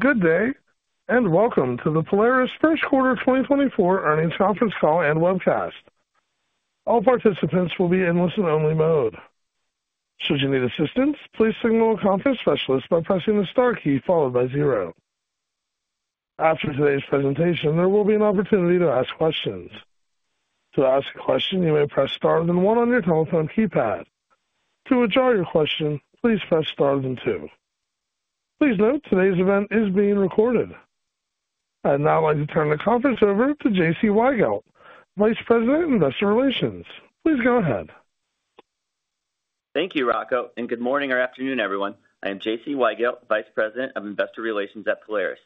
Good day, and welcome to the Polaris First Quarter 2024 Earnings Conference Call and Webcast. All participants will be in listen-only mode. Should you need assistance, please signal a conference specialist by pressing the star key followed by zero. After today's presentation, there will be an opportunity to ask questions. To ask a question, you may press star then one on your telephone keypad. To withdraw your question, please press star then two. Please note, today's event is being recorded. I'd now like to turn the conference over to J.C. Weigelt, Vice President, Investor Relations. Please go ahead. Thank you, Rocco, and good morning or afternoon, everyone. I am J.C. Weigelt, Vice President of Investor Relations at Polaris.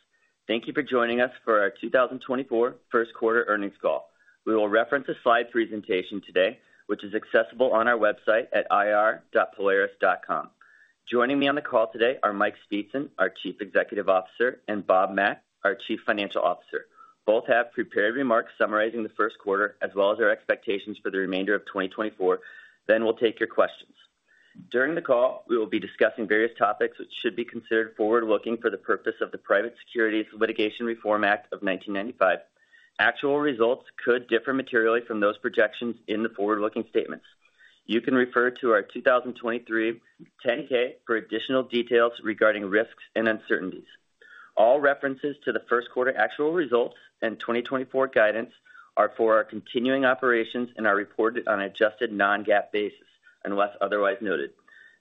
Thank you for joining us for our 2024 first quarter earnings call. We will reference a slide presentation today, which is accessible on our website at ir.polaris.com. Joining me on the call today are Mike Speetzen, our Chief Executive Officer, and Bob Mack, our Chief Financial Officer. Both have prepared remarks summarizing the first quarter, as well as our expectations for the remainder of 2024. Then we'll take your questions. During the call, we will be discussing various topics which should be considered forward-looking for the purpose of the Private Securities Litigation Reform Act of 1995. Actual results could differ materially from those projections in the forward-looking statements. You can refer to our 2023 10-K for additional details regarding risks and uncertainties. All references to the first quarter actual results and 2024 guidance are for our continuing operations and are reported on an adjusted non-GAAP basis, unless otherwise noted.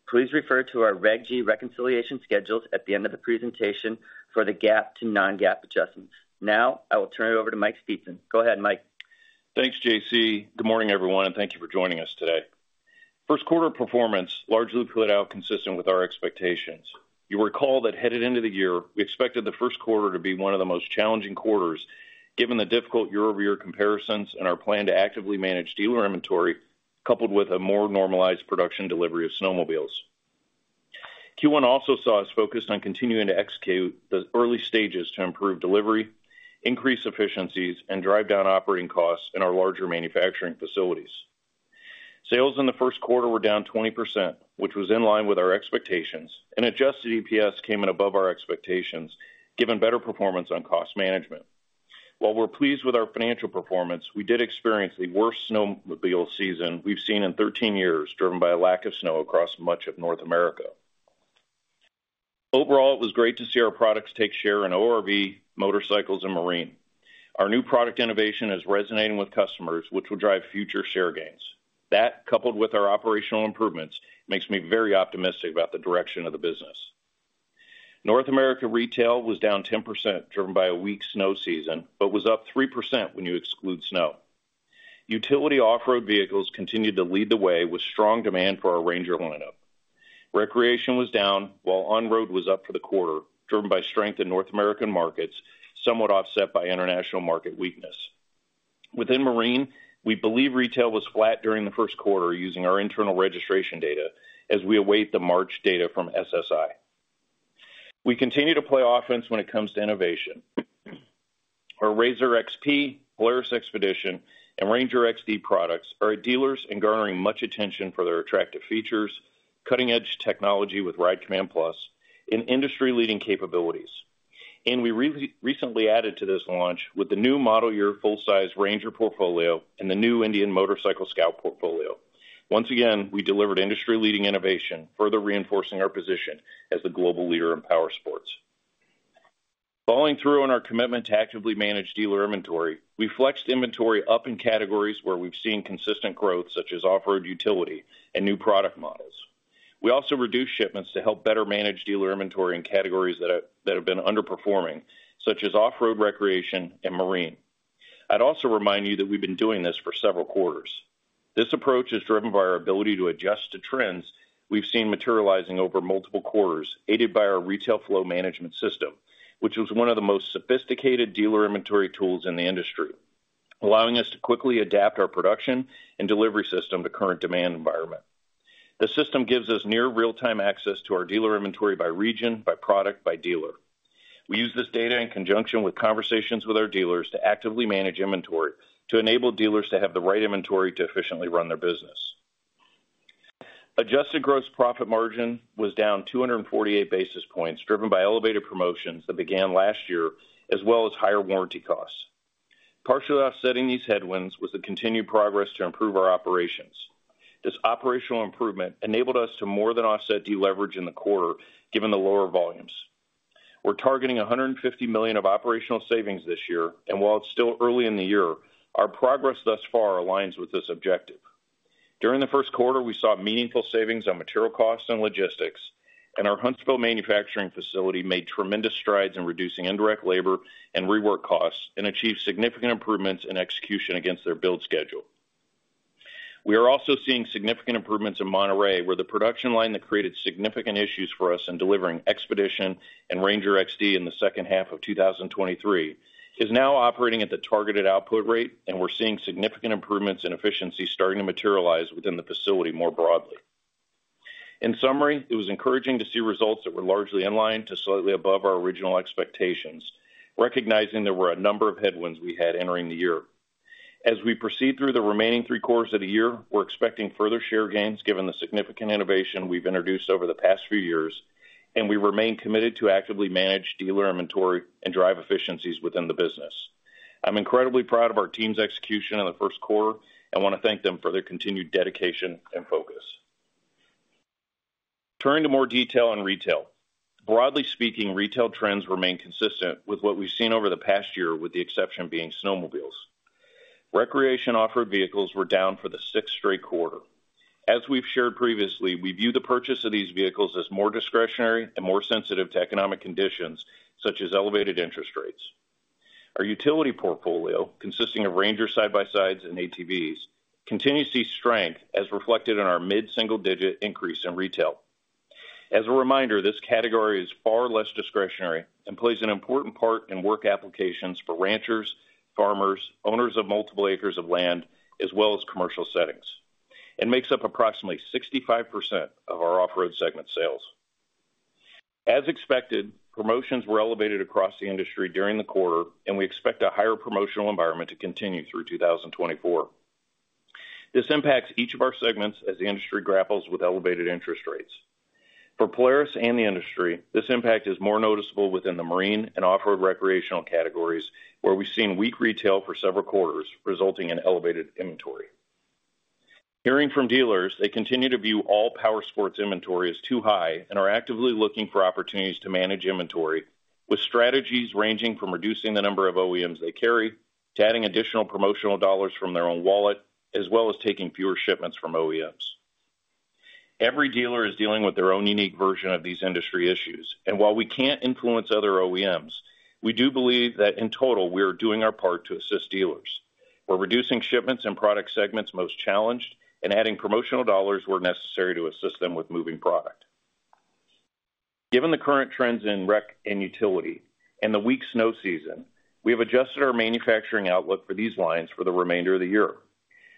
Please refer to our Reg G reconciliation schedules at the end of the presentation for the GAAP to non-GAAP adjustments. Now, I will turn it over to Mike Speetzen. Go ahead, Mike. Thanks, J.C. Good morning, everyone, and thank you for joining us today. First quarter performance largely put out consistent with our expectations. You'll recall that headed into the year, we expected the first quarter to be one of the most challenging quarters, given the difficult year-over-year comparisons and our plan to actively manage dealer inventory, coupled with a more normalized production delivery of snowmobiles. Q1 also saw us focused on continuing to execute the early stages to improve delivery, increase efficiencies, and drive down operating costs in our larger manufacturing facilities. Sales in the first quarter were down 20%, which was in line with our expectations, and Adjusted EPS came in above our expectations, given better performance on cost management. While we're pleased with our financial performance, we did experience the worst snowmobile season we've seen in 13 years, driven by a lack of snow across much of North America. Overall, it was great to see our products take share in ORV, motorcycles and marine. Our new product innovation is resonating with customers, which will drive future share gains. That, coupled with our operational improvements, makes me very optimistic about the direction of the business. North America retail was down 10%, driven by a weak snow season, but was up 3% when you exclude snow. Utility Off-road vehicles continued to lead the way with strong demand for our Ranger lineup. Recreation was down, while on-road was up for the quarter, driven by strength in North American markets, somewhat offset by international market weakness. Within Marine, we believe retail was flat during the first quarter using our internal registration data as we await the March data from SSI. We continue to play offense when it comes to innovation. Our RZR XP, Polaris Xpedition, and Ranger XD products are at dealers and garnering much attention for their attractive features, cutting-edge technology with Ride Command Plus, and industry-leading capabilities. And we recently added to this launch with the new model year full-size Ranger portfolio and the new Indian Motorcycle Scout portfolio. Once again, we delivered industry-leading innovation, further reinforcing our position as the global leader in powersports. Following through on our commitment to actively manage dealer inventory, we flexed inventory up in categories where we've seen consistent growth, such as Off-road utility and new product models. We also reduced shipments to help better manage dealer inventory in categories that have been underperforming, such as Off-road recreation and marine. I'd also remind you that we've been doing this for several quarters. This approach is driven by our ability to adjust to trends we've seen materializing over multiple quarters, aided by our Retail Flow Management system, which is one of the most sophisticated dealer inventory tools in the industry, allowing us to quickly adapt our production and delivery system to current demand environment. The system gives us near real-time access to our dealer inventory by region, by product, by dealer. We use this data in conjunction with conversations with our dealers to actively manage inventory, to enable dealers to have the right inventory to efficiently run their business. Adjusted gross profit margin was down 248 basis points, driven by elevated promotions that began last year, as well as higher warranty costs. Partially offsetting these headwinds was the continued progress to improve our operations. This operational improvement enabled us to more than offset deleverage in the quarter, given the lower volumes. We're targeting $150 million of operational savings this year, and while it's still early in the year, our progress thus far aligns with this objective. During the first quarter, we saw meaningful savings on material costs and logistics, and our Huntsville manufacturing facility made tremendous strides in reducing indirect labor and rework costs and achieved significant improvements in execution against their build schedule. We are also seeing significant improvements in Monterrey, where the production line that created significant issues for us in delivering Xpeditionand Ranger XD in the second half of 2023, is now operating at the targeted output rate, and we're seeing significant improvements in efficiency starting to materialize within the facility more broadly. In summary, it was encouraging to see results that were largely in line to slightly above our original expectations, recognizing there were a number of headwinds we had entering the year. As we proceed through the remaining three quarters of the year, we're expecting further share gains, given the significant innovation we've introduced over the past few years, and we remain committed to actively manage dealer inventory and drive efficiencies within the business. I'm incredibly proud of our team's execution in the first quarter, and want to thank them for their continued dedication and focus. Turning to more detail on retail. Broadly speaking, retail trends remain consistent with what we've seen over the past year, with the exception being snowmobiles. Recreational Off-road vehicles were down for the sixth straight quarter. As we've shared previously, we view the purchase of these vehicles as more discretionary and more sensitive to economic conditions, such as elevated interest rates. Our utility portfolio, consisting of Ranger side-by-sides and ATVs, continues to see strength, as reflected in our mid-single-digit increase in retail. As a reminder, this category is far less discretionary and plays an important part in work applications for ranchers, farmers, owners of multiple acres of land, as well as commercial settings, and makes up approximately 65% of our Off-road segment sales. As expected, promotions were elevated across the industry during the quarter, and we expect a higher promotional environment to continue through 2024. This impacts each of our segments as the industry grapples with elevated interest rates. For Polaris and the industry, this impact is more noticeable within the marine and Off-road recreational categories, where we've seen weak retail for several quarters, resulting in elevated inventory. Hearing from dealers, they continue to view all powersports inventory as too high and are actively looking for opportunities to manage inventory, with strategies ranging from reducing the number of OEMs they carry, to adding additional promotional dollars from their own wallet, as well as taking fewer shipments from OEMs. Every dealer is dealing with their own unique version of these industry issues, and while we can't influence other OEMs, we do believe that in total, we are doing our part to assist dealers. We're reducing shipments in product segments most challenged and adding promotional dollars where necessary to assist them with moving product. Given the current trends in rec and utility and the weak snow season, we have adjusted our manufacturing outlook for these lines for the remainder of the year.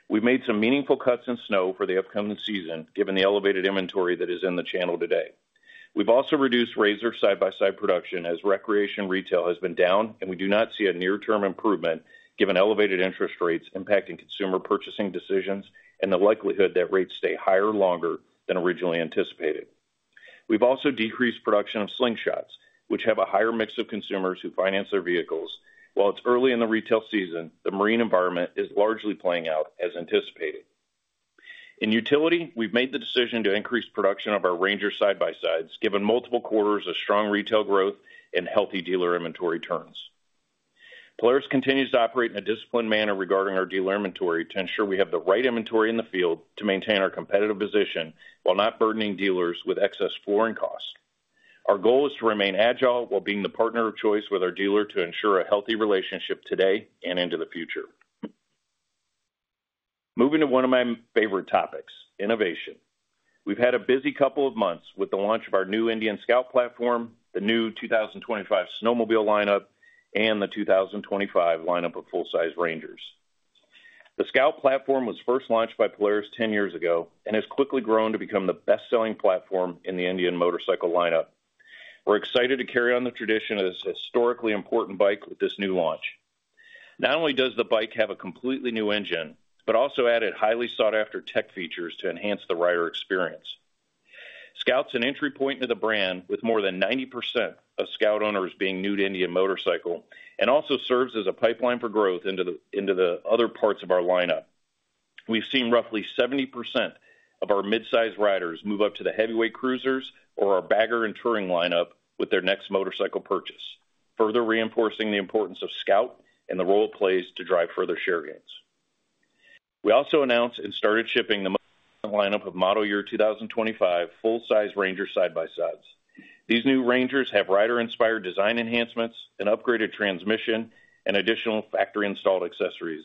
We've made some meaningful cuts in snow for the upcoming season, given the elevated inventory that is in the channel today. We've also reduced RZR side-by-side production as recreation retail has been down, and we do not see a near-term improvement, given elevated interest rates impacting consumer purchasing decisions and the likelihood that rates stay higher longer than originally anticipated. We've also decreased production of Slingshots, which have a higher mix of consumers who finance their vehicles. While it's early in the retail season, the marine environment is largely playing out as anticipated. In utility, we've made the decision to increase production of our Ranger side-by-sides, given multiple quarters of strong retail growth and healthy dealer inventory turns. Polaris continues to operate in a disciplined manner regarding our dealer inventory to ensure we have the right inventory in the field to maintain our competitive position while not burdening dealers with excess flooring costs. Our goal is to remain agile while being the partner of choice with our dealer to ensure a healthy relationship today and into the future. Moving to one of my favorite topics, innovation. We've had a busy couple of months with the launch of our new Indian Scout platform, the new 2025 snowmobile lineup, and the 2025 lineup of full-size Rangers. The Scout platform was first launched by Polaris 10 years ago and has quickly grown to become the best-selling platform in the Indian motorcycle lineup. We're excited to carry on the tradition of this historically important bike with this new launch. Not only does the bike have a completely new engine, but also added highly sought-after tech features to enhance the rider experience. Scout's an entry point into the brand with more than 90% of Scout owners being new to Indian Motorcycle, and also serves as a pipeline for growth into the other parts of our lineup. We've seen roughly 70% of our mid-size riders move up to the heavyweight cruisers or our bagger and touring lineup with their next motorcycle purchase, further reinforcing the importance of Scout and the role it plays to drive further share gains. We also announced and started shipping the lineup of model year 2025 full-size Ranger side-by-sides. These new Rangers have rider-inspired design enhancements, an upgraded transmission, and additional factory-installed accessories.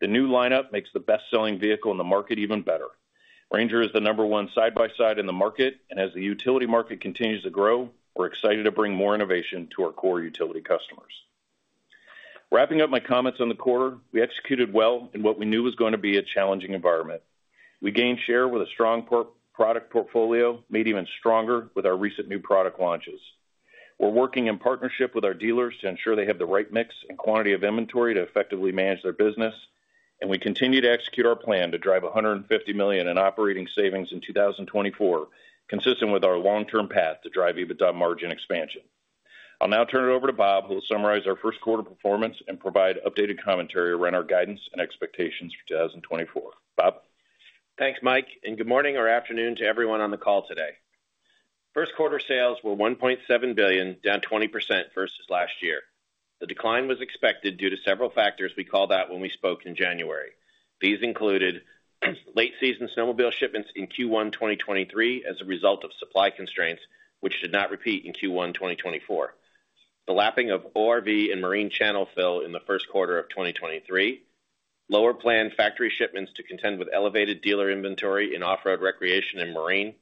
The new lineup makes the best-selling vehicle in the market even better. Ranger is the number one side-by-side in the market, and as the utility market continues to grow, we're excited to bring more innovation to our core utility customers. Wrapping up my comments on the quarter, we executed well in what we knew was going to be a challenging environment. We gained share with a strong product portfolio, made even stronger with our recent new product launches. We're working in partnership with our dealers to ensure they have the right mix and quantity of inventory to effectively manage their business, and we continue to execute our plan to drive $150 million in operating savings in 2024, consistent with our long-term path to drive EBITDA margin expansion. I'll now turn it over to Bob, who will summarize our first quarter performance and provide updated commentary around our guidance and expectations for 2024. Bob? Thanks, Mike, and good morning or afternoon to everyone on the call today. First quarter sales were $1.7 billion, down 20% versus last year. The decline was expected due to several factors we called out when we spoke in January. These included late season snowmobile shipments in Q1 2023 as a result of supply constraints, which did not repeat in Q1 2024. The lapping of ORV and marine channel fill in the first quarter of 2023, lower planned factory shipments to contend with elevated dealer inventory in Off-road recreation and marine,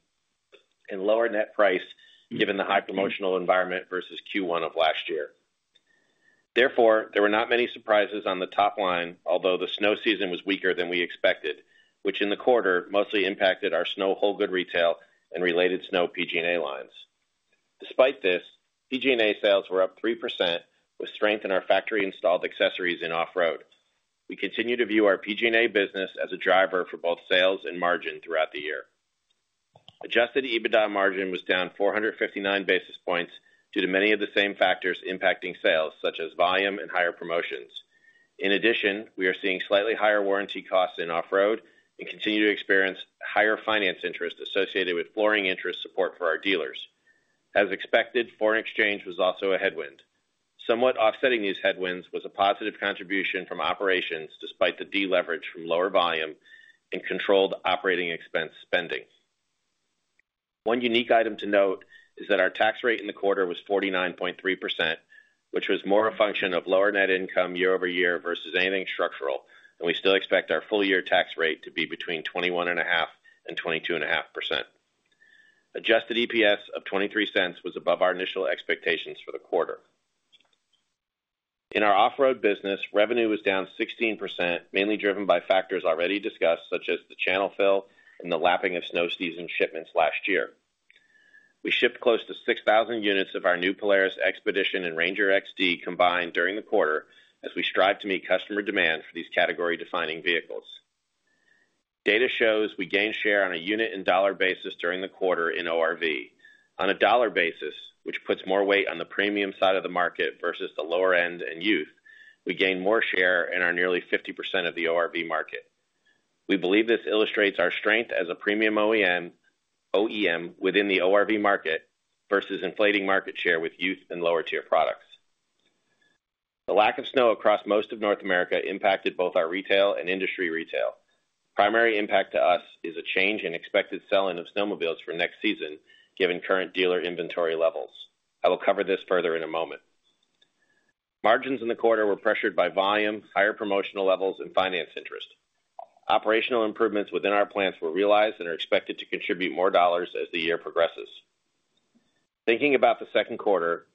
and lower net price given the high promotional environment versus Q1 of last year. Therefore, there were not many surprises on the top line, although the snow season was weaker than we expected, which in the quarter, mostly impacted our snow whole goods retail and related snow PG&A lines. Despite this, PG&A sales were up 3%, with strength in our factory-installed accessories in Off-road. We continue to view our PG&A business as a driver for both sales and margin throughout the year. Adjusted EBITDA margin was down 459 basis points due to many of the same factors impacting sales, such as volume and higher promotions. In addition, we are seeing slightly higher warranty costs in Off-road and continue to experience higher finance interest associated with flooring interest support for our dealers. As expected, foreign exchange was also a headwind. Somewhat offsetting these headwinds was a positive contribution from operations, despite the deleverage from lower volume and controlled operating expense spending. One unique item to note is that our tax rate in the quarter was 49.3%, which was more a function of lower net income year-over-year versus anything structural, and we still expect our full-year tax rate to be between 21.5% and 22.5%. Adjusted EPS of $0.23 was above our initial expectations for the quarter. In our Off-road business, revenue was down 16%, mainly driven by factors already discussed, such as the channel fill and the lapping of snow season shipments last year. We shipped close to 6,000 units of our new Polaris Xpedition and Ranger XD combined during the quarter, as we strive to meet customer demand for these category-defining vehicles. Data shows we gained share on a unit and dollar basis during the quarter in ORV. On a dollar basis, which puts more weight on the premium side of the market versus the lower end and youth, we gained more share and are nearly 50% of the ORV market. We believe this illustrates our strength as a premium OEM, OEM within the ORV market versus inflating market share with youth and lower tier products. The lack of snow across most of North America impacted both our retail and industry retail. Primary impact to us is a change in expected sell-in of snowmobiles for next season, given current dealer inventory levels. I will cover this further in a moment. Margins in the quarter were pressured by volume, higher promotional levels, and finance interest. Operational improvements within our plants were realized and are expected to contribute more dollars as the year progresses. Thinking about the second quarter,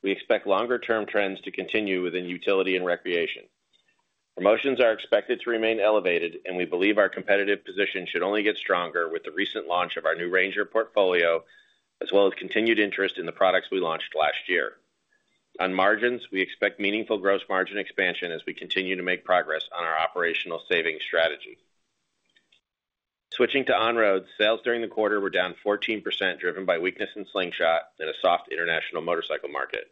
we expect longer-term trends to continue within utility and recreation. Promotions are expected to remain elevated, and we believe our competitive position should only get stronger with the recent launch of our new Ranger portfolio, as well as continued interest in the products we launched last year. On margins, we expect meaningful gross margin expansion as we continue to make progress on our operational savings strategy. Switching to On-Road, sales during the quarter were down 14%, driven by weakness in Slingshot and a soft international motorcycle market.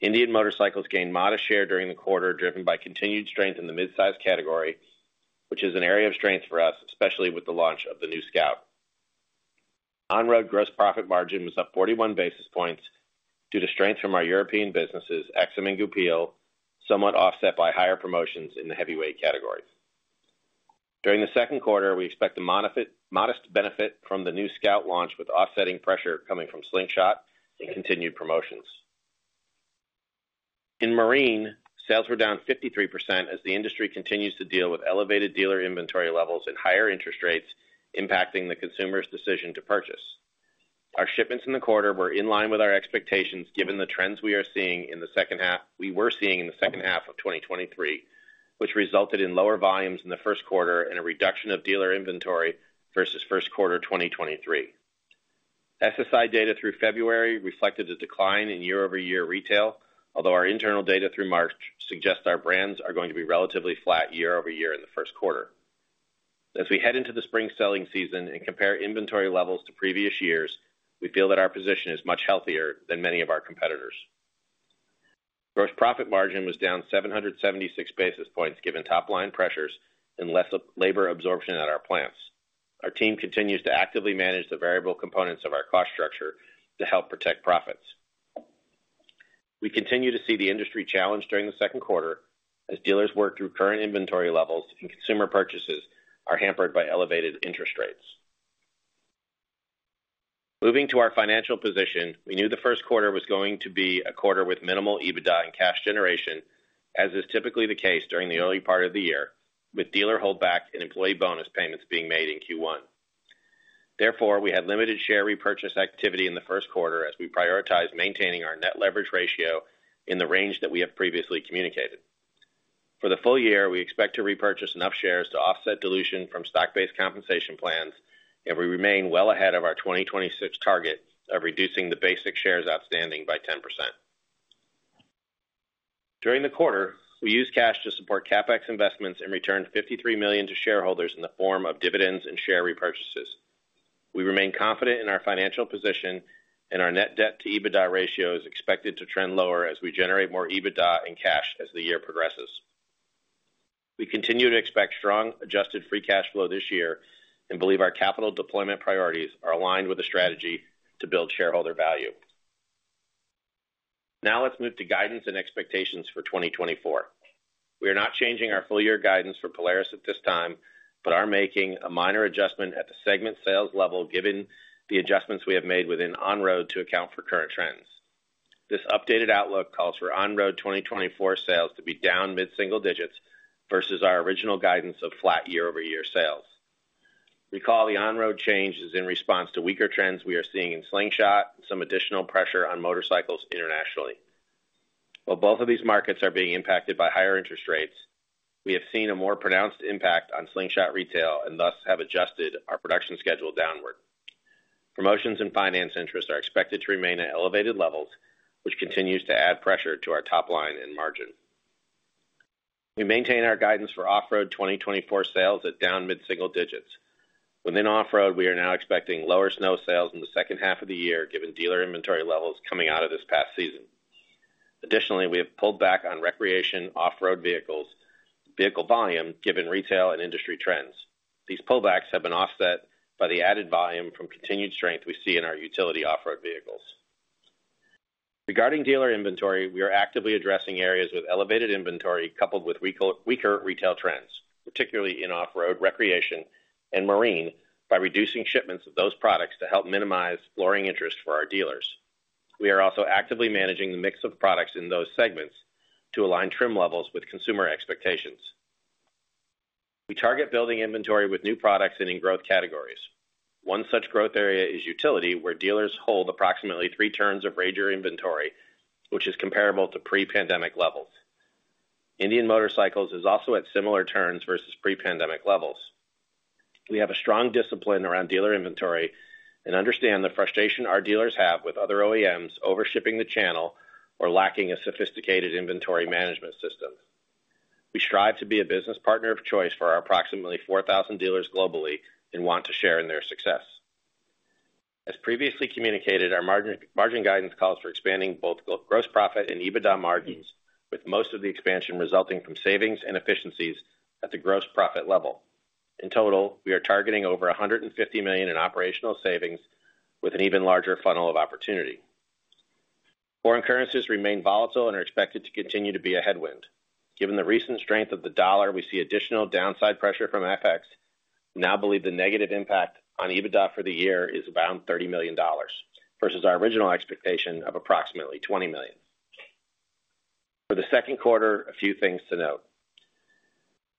Indian Motorcycle gained modest share during the quarter, driven by continued strength in the mid-size category, which is an area of strength for us, especially with the launch of the new Scout. On-Road gross profit margin was up 41 basis points due to strength from our European businesses, Aixam and Goupil, somewhat offset by higher promotions in the heavyweight categories. During the second quarter, we expect a modest benefit from the new Scout launch, with offsetting pressure coming from Slingshot and continued promotions. In Marine, sales were down 53% as the industry continues to deal with elevated dealer inventory levels and higher interest rates impacting the consumer's decision to purchase. Our shipments in the quarter were in line with our expectations, given the trends we are seeing in the second half—we were seeing in the second half of 2023, which resulted in lower volumes in the first quarter and a reduction of dealer inventory versus first quarter 2023. SSI data through February reflected a decline in year-over-year retail, although our internal data through March suggests our brands are going to be relatively flat year-over-year in the first quarter. As we head into the spring selling season and compare inventory levels to previous years, we feel that our position is much healthier than many of our competitors. Gross profit margin was down 776 basis points, given top-line pressures and less labor absorption at our plants. Our team continues to actively manage the variable components of our cost structure to help protect profits. We continue to see the industry challenged during the second quarter as dealers work through current inventory levels and consumer purchases are hampered by elevated interest rates. Moving to our financial position, we knew the first quarter was going to be a quarter with minimal EBITDA and cash generation, as is typically the case during the early part of the year, with dealer holdback and employee bonus payments being made in Q1. Therefore, we had limited share repurchase activity in the first quarter as we prioritized maintaining our net leverage ratio in the range that we have previously communicated. For the full year, we expect to repurchase enough shares to offset dilution from stock-based compensation plans, and we remain well ahead of our 2026 target of reducing the basic shares outstanding by 10%. During the quarter, we used cash to support CapEx investments and returned $53 million to shareholders in the form of dividends and share repurchases. We remain confident in our financial position, and our net debt to EBITDA ratio is expected to trend lower as we generate more EBITDA and cash as the year progresses. We continue to expect strong adjusted free cash flow this year and believe our capital deployment priorities are aligned with a strategy to build shareholder value. Now let's move to guidance and expectations for 2024. We are not changing our full year guidance for Polaris at this time, but are making a minor adjustment at the segment sales level, given the adjustments we have made within On-Road to account for current trends. This updated outlook calls for On-Road 2024 sales to be down mid-single digits versus our original guidance of flat year-over-year sales. Recall, the On-Road change is in response to weaker trends we are seeing in Slingshot and some additional pressure on motorcycles internationally. While both of these markets are being impacted by higher interest rates, we have seen a more pronounced impact on Slingshot retail and thus have adjusted our production schedule downward. Promotions and finance interest are expected to remain at elevated levels, which continues to add pressure to our top line and margin. We maintain our guidance for Off-road 2024 sales at down mid-single digits. Within Off-road, we are now expecting lower snow sales in the second half of the year, given dealer inventory levels coming out of this past season. Additionally, we have pulled back on recreation Off-road vehicles, vehicle volume, given retail and industry trends. These pullbacks have been offset by the added volume from continued strength we see in our utility Off-road vehicles. Regarding dealer inventory, we are actively addressing areas with elevated inventory, coupled with weaker retail trends, particularly in Off-road recreation and marine, by reducing shipments of those products to help minimize flooring interest for our dealers. We are also actively managing the mix of products in those segments to align trim levels with consumer expectations. We target building inventory with new products and in growth categories. One such growth area is utility, where dealers hold approximately three turns of Ranger inventory, which is comparable to pre-pandemic levels. Indian Motorcycle is also at similar turns versus pre-pandemic levels. We have a strong discipline around dealer inventory and understand the frustration our dealers have with other OEMs over shipping the channel or lacking a sophisticated inventory management system. We strive to be a business partner of choice for our approximately 4,000 dealers globally and want to share in their success. As previously communicated, our margin, margin guidance calls for expanding both gross profit and EBITDA margins, with most of the expansion resulting from savings and efficiencies at the gross profit level. In total, we are targeting over $150 million in operational savings with an even larger funnel of opportunity. Foreign currencies remain volatile and are expected to continue to be a headwind. Given the recent strength of the dollar, we see additional downside pressure from FX, now believe the negative impact on EBITDA for the year is around $30 million, versus our original expectation of approximately $20 million. For the second quarter, a few things to note: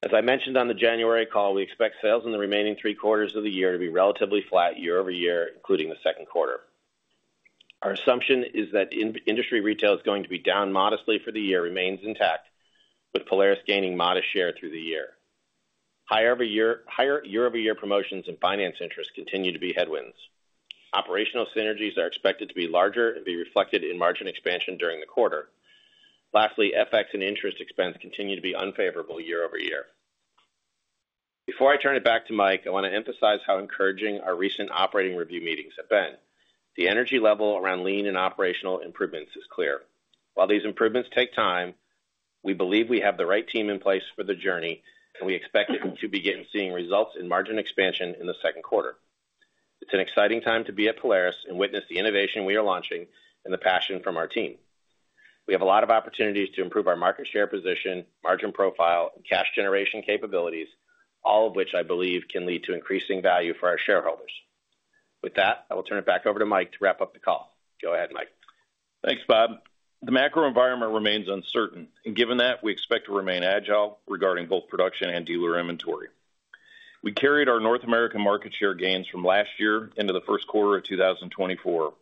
As I mentioned on the January call, we expect sales in the remaining three quarters of the year to be relatively flat year-over-year, including the second quarter. Our assumption is that in-industry retail is going to be down modestly for the year, remains intact, with Polaris gaining modest share through the year. Higher year-over-year promotions and finance interests continue to be headwinds. Operational synergies are expected to be larger and be reflected in margin expansion during the quarter. Lastly, FX and interest expense continue to be unfavorable year-over-year. Before I turn it back to Mike, I want to emphasize how encouraging our recent operating review meetings have been. The energy level around lean and operational improvements is clear. While these improvements take time, we believe we have the right team in place for the journey, and we expect to begin seeing results in margin expansion in the second quarter. It's an exciting time to be at Polaris and witness the innovation we are launching and the passion from our team. We have a lot of opportunities to improve our market share position, margin profile, and cash generation capabilities, all of which I believe can lead to increasing value for our shareholders. With that, I will turn it back over to Mike to wrap up the call. Go ahead, Mike. Thanks, Bob. The macro environment remains uncertain, and given that, we expect to remain agile regarding both production and dealer inventory. We carried our North American market share gains from last year into the first quarter of 2024.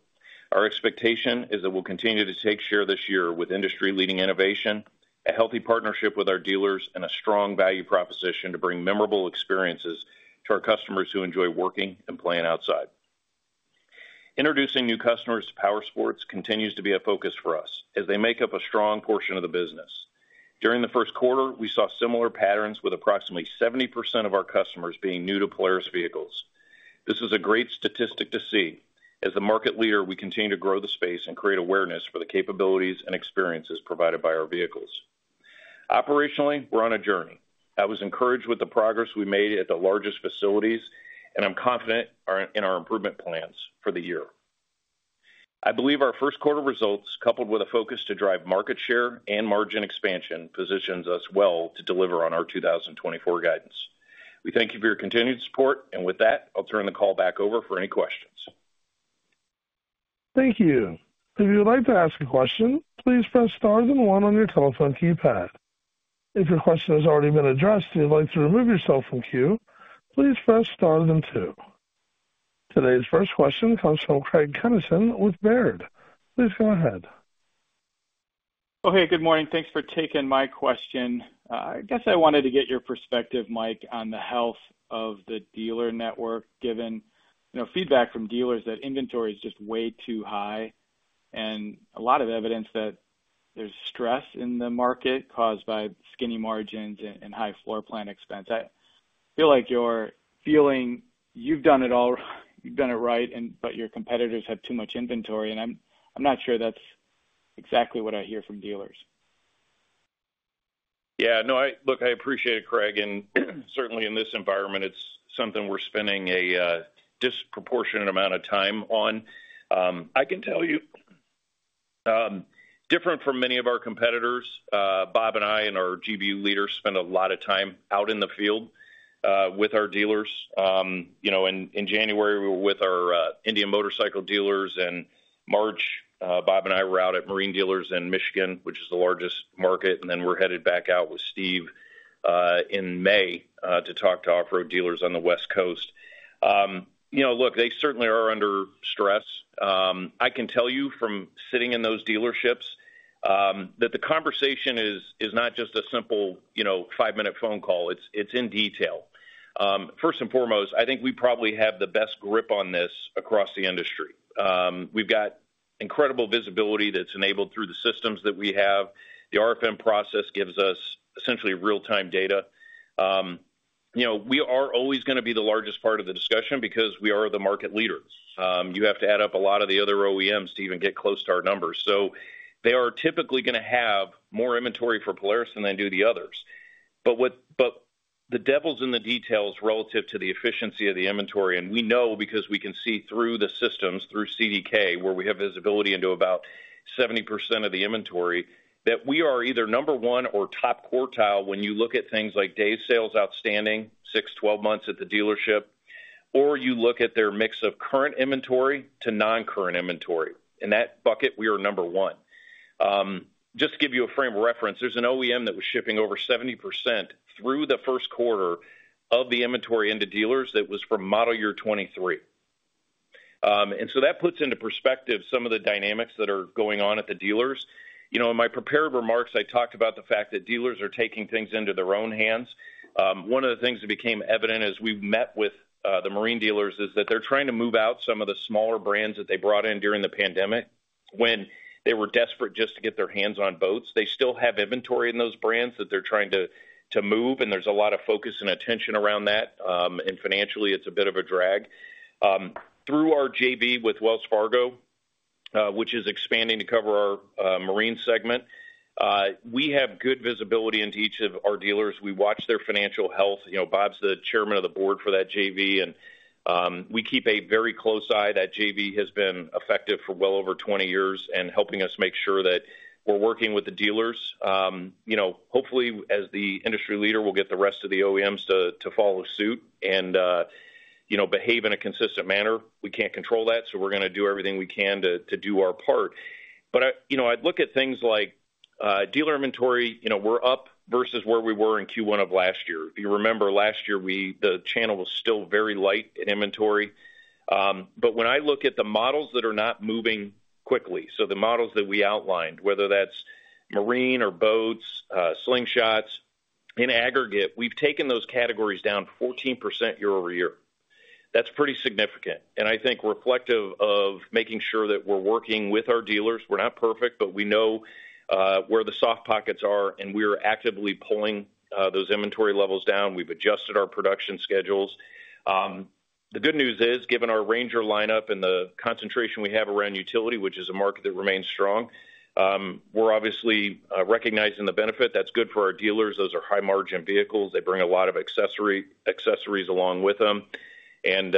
Our expectation is that we'll continue to take share this year with industry-leading innovation, a healthy partnership with our dealers, and a strong value proposition to bring memorable experiences to our customers who enjoy working and playing outside. Introducing new customers to Powersports continues to be a focus for us as they make up a strong portion of the business. During the first quarter, we saw similar patterns with approximately 70% of our customers being new to Polaris vehicles. This is a great statistic to see. As the market leader, we continue to grow the space and create awareness for the capabilities and experiences provided by our vehicles. Operationally, we're on a journey. I was encouraged with the progress we made at the largest facilities, and I'm confident in our improvement plans for the year. I believe our first quarter results, coupled with a focus to drive market share and margin expansion, positions us well to deliver on our 2024 guidance. We thank you for your continued support, and with that, I'll turn the call back over for any questions. Thank you. If you would like to ask a question, please press star then one on your telephone keypad. If your question has already been addressed and you'd like to remove yourself from queue, please press star then two. Today's first question comes from Craig Kennison with Baird. Please go ahead. Okay, good morning. Thanks for taking my question. I guess I wanted to get your perspective, Mike, on the health of the dealer network, given, you know, feedback from dealers that inventory is just way too high and a lot of evidence that there's stress in the market caused by skinny margins and high floor plan expense. I feel like you're feeling you've done it all, you've done it right, and but your competitors have too much inventory, and I'm not sure that's exactly what I hear from dealers. Look, I appreciate it, Craig, and certainly in this environment, it's something we're spending a disproportionate amount of time on. I can tell you, different from many of our competitors, Bob and I and our GBU leaders spend a lot of time out in the field with our dealers. You know, in January, we were with our Indian Motorcycle dealers, and March, Bob and I were out at marine dealers in Michigan, which is the largest market, and then we're headed back out with Steve in May to talk to Off-road dealers on the West Coast. You know, look, they certainly are under stress. I can tell you from sitting in those dealerships that the conversation is not just a simple, you know, five-minute phone call. It's in detail. First and foremost, I think we probably have the best grip on this across the industry. We've got incredible visibility that's enabled through the systems that we have. The RFM process gives us essentially real-time data. You know, we are always gonna be the largest part of the discussion because we are the market leaders. You have to add up a lot of the other OEMs to even get close to our numbers. So they are typically gonna have more inventory for Polaris than they do the others. But the devil's in the details relative to the efficiency of the inventory, and we know because we can see through the systems, through CDK, where we have visibility into about 70% of the inventory, that we are either number one or top quartile when you look at things like day sales outstanding, 6, 12 months at the dealership, or you look at their mix of current inventory to non-current inventory. In that bucket, we are number one. Just to give you a frame of reference, there's an OEM that was shipping over 70% through the first quarter of the inventory into dealers that was from model year 2023. And so that puts into perspective some of the dynamics that are going on at the dealers. You know, in my prepared remarks, I talked about the fact that dealers are taking things into their own hands. One of the things that became evident as we've met with the marine dealers is that they're trying to move out some of the smaller brands that they brought in during the pandemic when they were desperate just to get their hands on boats. They still have inventory in those brands that they're trying to move, and there's a lot of focus and attention around that. Financially, it's a bit of a drag. Through our JV with Wells Fargo, which is expanding to cover our marine segment, we have good visibility into each of our dealers. We watch their financial health. You know, Bob's the chairman of the board for that JV, and we keep a very close eye. That JV has been effective for well over 20 years and helping us make sure that we're working with the dealers. You know, hopefully, as the industry leader, we'll get the rest of the OEMs to follow suit and, you know, behave in a consistent manner. We can't control that, so we're gonna do everything we can to do our part. But you know, I'd look at things like dealer inventory. You know, we're up versus where we were in Q1 of last year. If you remember, last year, the channel was still very light in inventory. But when I look at the models that are not moving quickly, so the models that we outlined, whether that's marine or boats, slingshots, in aggregate, we've taken those categories down 14% year-over-year. That's pretty significant, and I think reflective of making sure that we're working with our dealers. We're not perfect, but we know where the soft pockets are, and we are actively pulling those inventory levels down. We've adjusted our production schedules. The good news is, given our Ranger lineup and the concentration we have around utility, which is a market that remains strong, we're obviously recognizing the benefit. That's good for our dealers. Those are high-margin vehicles. They bring a lot of accessories along with them. And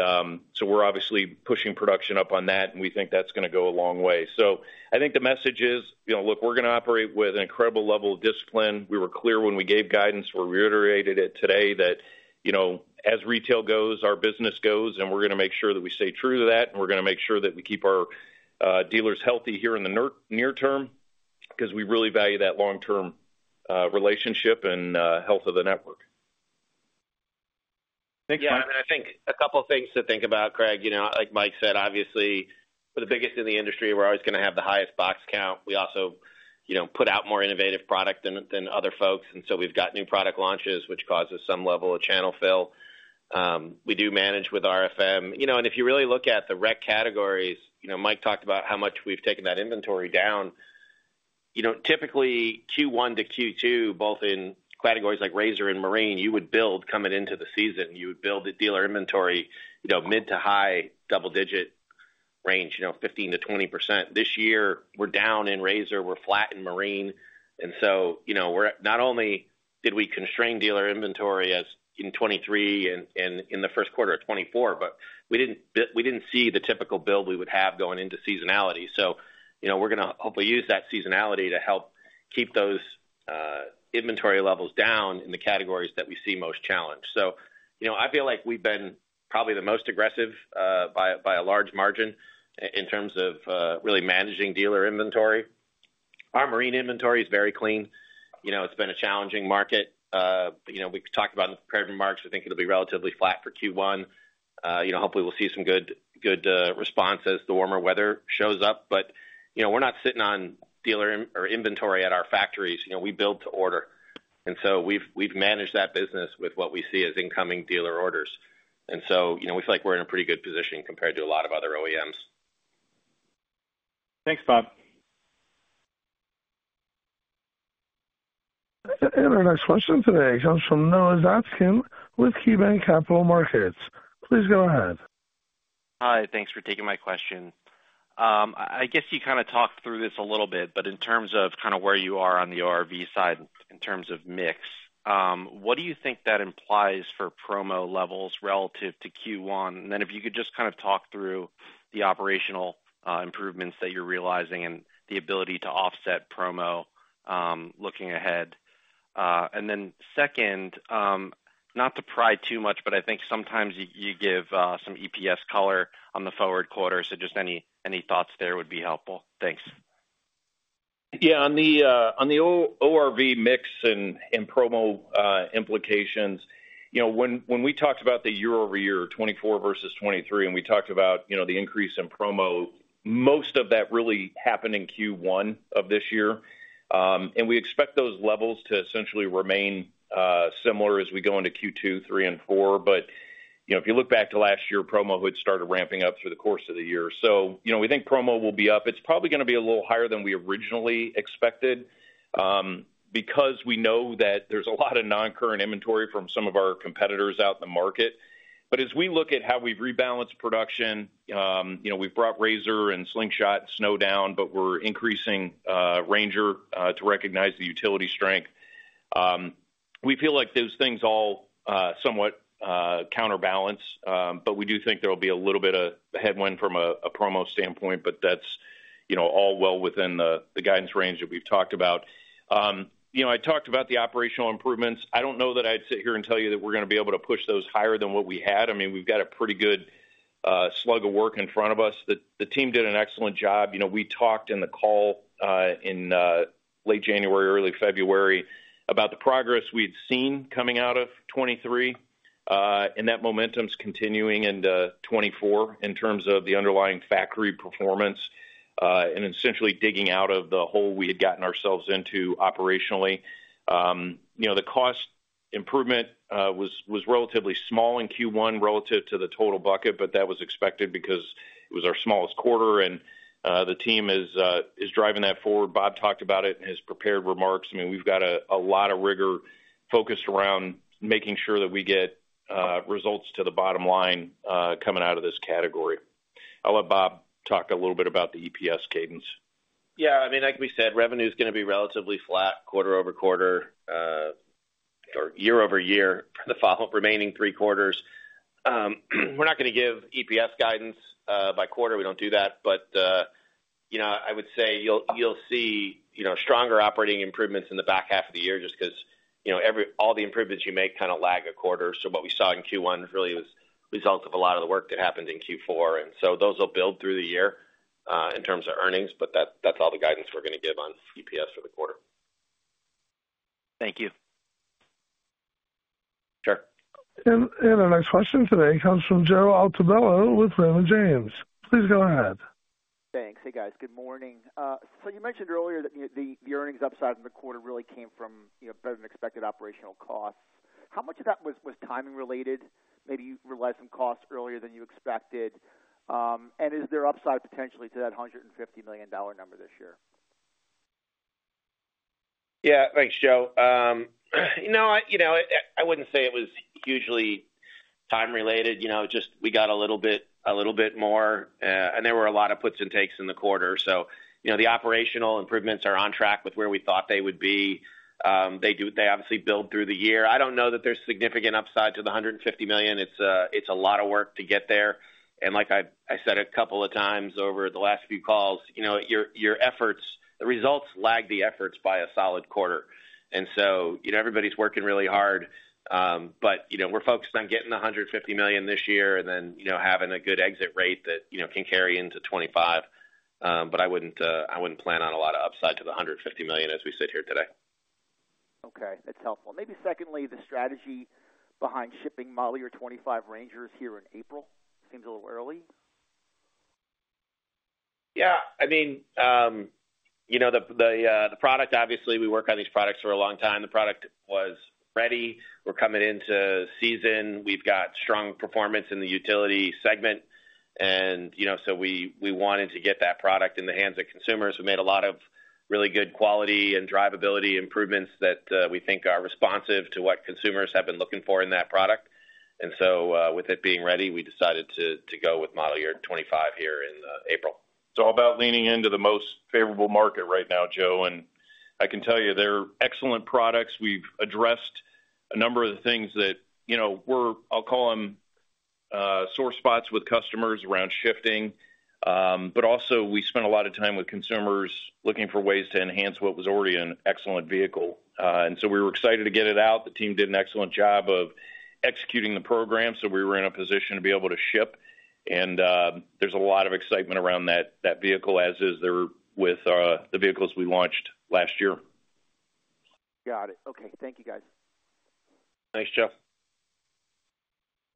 so we're obviously pushing production up on that, and we think that's gonna go a long way. So I think the message is, you know, look, we're gonna operate with an incredible level of discipline. We were clear when we gave guidance. We reiterated it today, that, you know, as retail goes, our business goes, and we're gonna make sure that we stay true to that, and we're gonna make sure that we keep our dealers healthy here in the near term, 'cause we really value that long-term relationship and health of the network. Thanks, Mike. Yeah, and I think a couple of things to think about, Craig. You know, like Mike said, obviously, we're the biggest in the industry. We're always gonna have the highest box count. We also, you know, put out more innovative product than, than other folks, and so we've got new product launches, which causes some level of channel fill. We do manage with RFM. You know, and if you really look at the rec categories, you know, Mike talked about how much we've taken that inventory down. You know, typically, Q1 to Q2, both in categories like RZR and Marine, you would build coming into the season. You would build the dealer inventory, you know, mid to high double digit range, you know, 15%-20%. This year, we're down in RZR, we're flat in Marine, and so, you know, we're not only did we constrain dealer inventory as in 2023 and in the first quarter of 2024, but we didn't see the typical build we would have going into seasonality. So, you know, we're gonna hopefully use that seasonality to help keep those inventory levels down in the categories that we see most challenged. So, you know, I feel like we've been probably the most aggressive by a large margin in terms of really managing dealer inventory. Our marine inventory is very clean. You know, it's been a challenging market. You know, we've talked about in the prepared remarks, I think it'll be relatively flat for Q1. You know, hopefully, we'll see some good response as the warmer weather shows up. But, you know, we're not sitting on dealer inventory or inventory at our factories. You know, we build to order, and so we've managed that business with what we see as incoming dealer orders. And so, you know, we feel like we're in a pretty good position compared to a lot of other OEMs. Thanks, Bob. Our next question today comes from Noah Zatzkin with KeyBanc Capital Markets. Please go ahead. Hi, thanks for taking my question. I guess you kind of talked through this a little bit, but in terms of kind of where you are on the ORV side in terms of mix, what do you think that implies for promo levels relative to Q1? And then if you could just kind of talk through the operational improvements that you're realizing and the ability to offset promo looking ahead. And then second, not to pry too much, but I think sometimes you give some EPS color on the forward quarter, so just any thoughts there would be helpful. Thanks.... Yeah, on the, on the ORV mix and promo implications, you know, when we talked about the year-over-year, 2024 versus 2023, and we talked about, you know, the increase in promo, most of that really happened in Q1 of this year. And we expect those levels to essentially remain similar as we go into Q2, Q3, and Q4. But, you know, if you look back to last year, promo had started ramping up through the course of the year. So, you know, we think promo will be up. It's probably gonna be a little higher than we originally expected, because we know that there's a lot of non-current inventory from some of our competitors out in the market. But as we look at how we've rebalanced production, you know, we've brought RZR and Slingshot, snow down, but we're increasing Ranger to recognize the utility strength. We feel like those things all somewhat counterbalance, but we do think there will be a little bit of headwind from a promo standpoint, but that's, you know, all well within the guidance range that we've talked about. You know, I talked about the operational improvements. I don't know that I'd sit here and tell you that we're gonna be able to push those higher than what we had. I mean, we've got a pretty good slug of work in front of us. The team did an excellent job. You know, we talked in the call, in late January, early February, about the progress we'd seen coming out of 2023, and that momentum's continuing into 2024 in terms of the underlying factory performance, and essentially digging out of the hole we had gotten ourselves into operationally. You know, the cost improvement was relatively small in Q1 relative to the total bucket, but that was expected because it was our smallest quarter, and the team is driving that forward. Bob talked about it in his prepared remarks. I mean, we've got a lot of rigor focused around making sure that we get results to the bottom line coming out of this category. I'll let Bob talk a little bit about the EPS cadence. Yeah, I mean, like we said, revenue is gonna be relatively flat quarter over quarter, or year over year for the following remaining three quarters. We're not gonna give EPS guidance by quarter. We don't do that. But you know, I would say you'll see you know, stronger operating improvements in the back half of the year just because you know, all the improvements you make kind of lag a quarter. So what we saw in Q1 really was results of a lot of the work that happened in Q4, and so those will build through the year in terms of earnings, but that's all the guidance we're gonna give on EPS for the quarter. Thank you. Sure. Our next question today comes from Joe Altobello with Raymond James. Please go ahead. Thanks. Hey, guys. Good morning. So you mentioned earlier that the earnings upside in the quarter really came from, you know, better than expected operational costs. How much of that was timing related? Maybe you realized some costs earlier than you expected. And is there upside potentially to that $150 million number this year? Yeah. Thanks, Joe. You know, I wouldn't say it was hugely time related. You know, just we got a little bit more, and there were a lot of puts and takes in the quarter. So, you know, the operational improvements are on track with where we thought they would be. They do. They obviously build through the year. I don't know that there's significant upside to the $150 million. It's a lot of work to get there. And like I said a couple of times over the last few calls, you know, your efforts. The results lag the efforts by a solid quarter. And so, you know, everybody's working really hard, but, you know, we're focused on getting the $150 million this year and then, you know, having a good exit rate that, you know, can carry into 2025. But I wouldn't, I wouldn't plan on a lot of upside to the $150 million as we sit here today. Okay, that's helpful. Maybe secondly, the strategy behind shipping model year 25 Rangers here in April seems a little early. Yeah, I mean, you know, the product, obviously, we work on these products for a long time. The product was ready. We're coming into season. We've got strong performance in the utility segment, and, you know, so we wanted to get that product in the hands of consumers. We made a lot of really good quality and drivability improvements that we think are responsive to what consumers have been looking for in that product. And so, with it being ready, we decided to go with model year 25 here in April. It's all about leaning into the most favorable market right now, Joe, and I can tell you they're excellent products. We've addressed a number of the things that, you know, I'll call them sore spots with customers around shifting. But also we spent a lot of time with consumers looking for ways to enhance what was already an excellent vehicle. And so we were excited to get it out. The team did an excellent job of executing the program, so we were in a position to be able to ship. And there's a lot of excitement around that vehicle, as is there with the vehicles we launched last year. Got it. Okay. Thank you, guys. Thanks, Joe.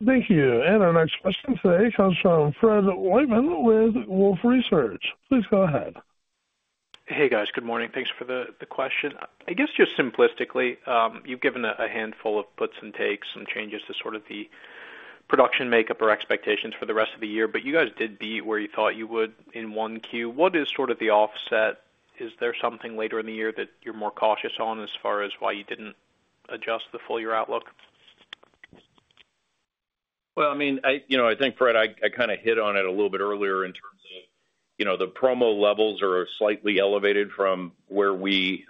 Thank you. Our next question today comes from Fred Wightman with Wolfe Research. Please go ahead. Hey, guys. Good morning. Thanks for the question. I guess, just simplistically, you've given a handful of puts and takes and changes to sort of the production makeup or expectations for the rest of the year, but you guys did beat where you thought you would in 1Q. What is sort of the offset? Is there something later in the year that you're more cautious on as far as why you didn't adjust the full year outlook? Well, I mean, you know, I think, Fred, I kind of hit on it a little bit earlier in terms of, you know, the promo levels are slightly elevated from where we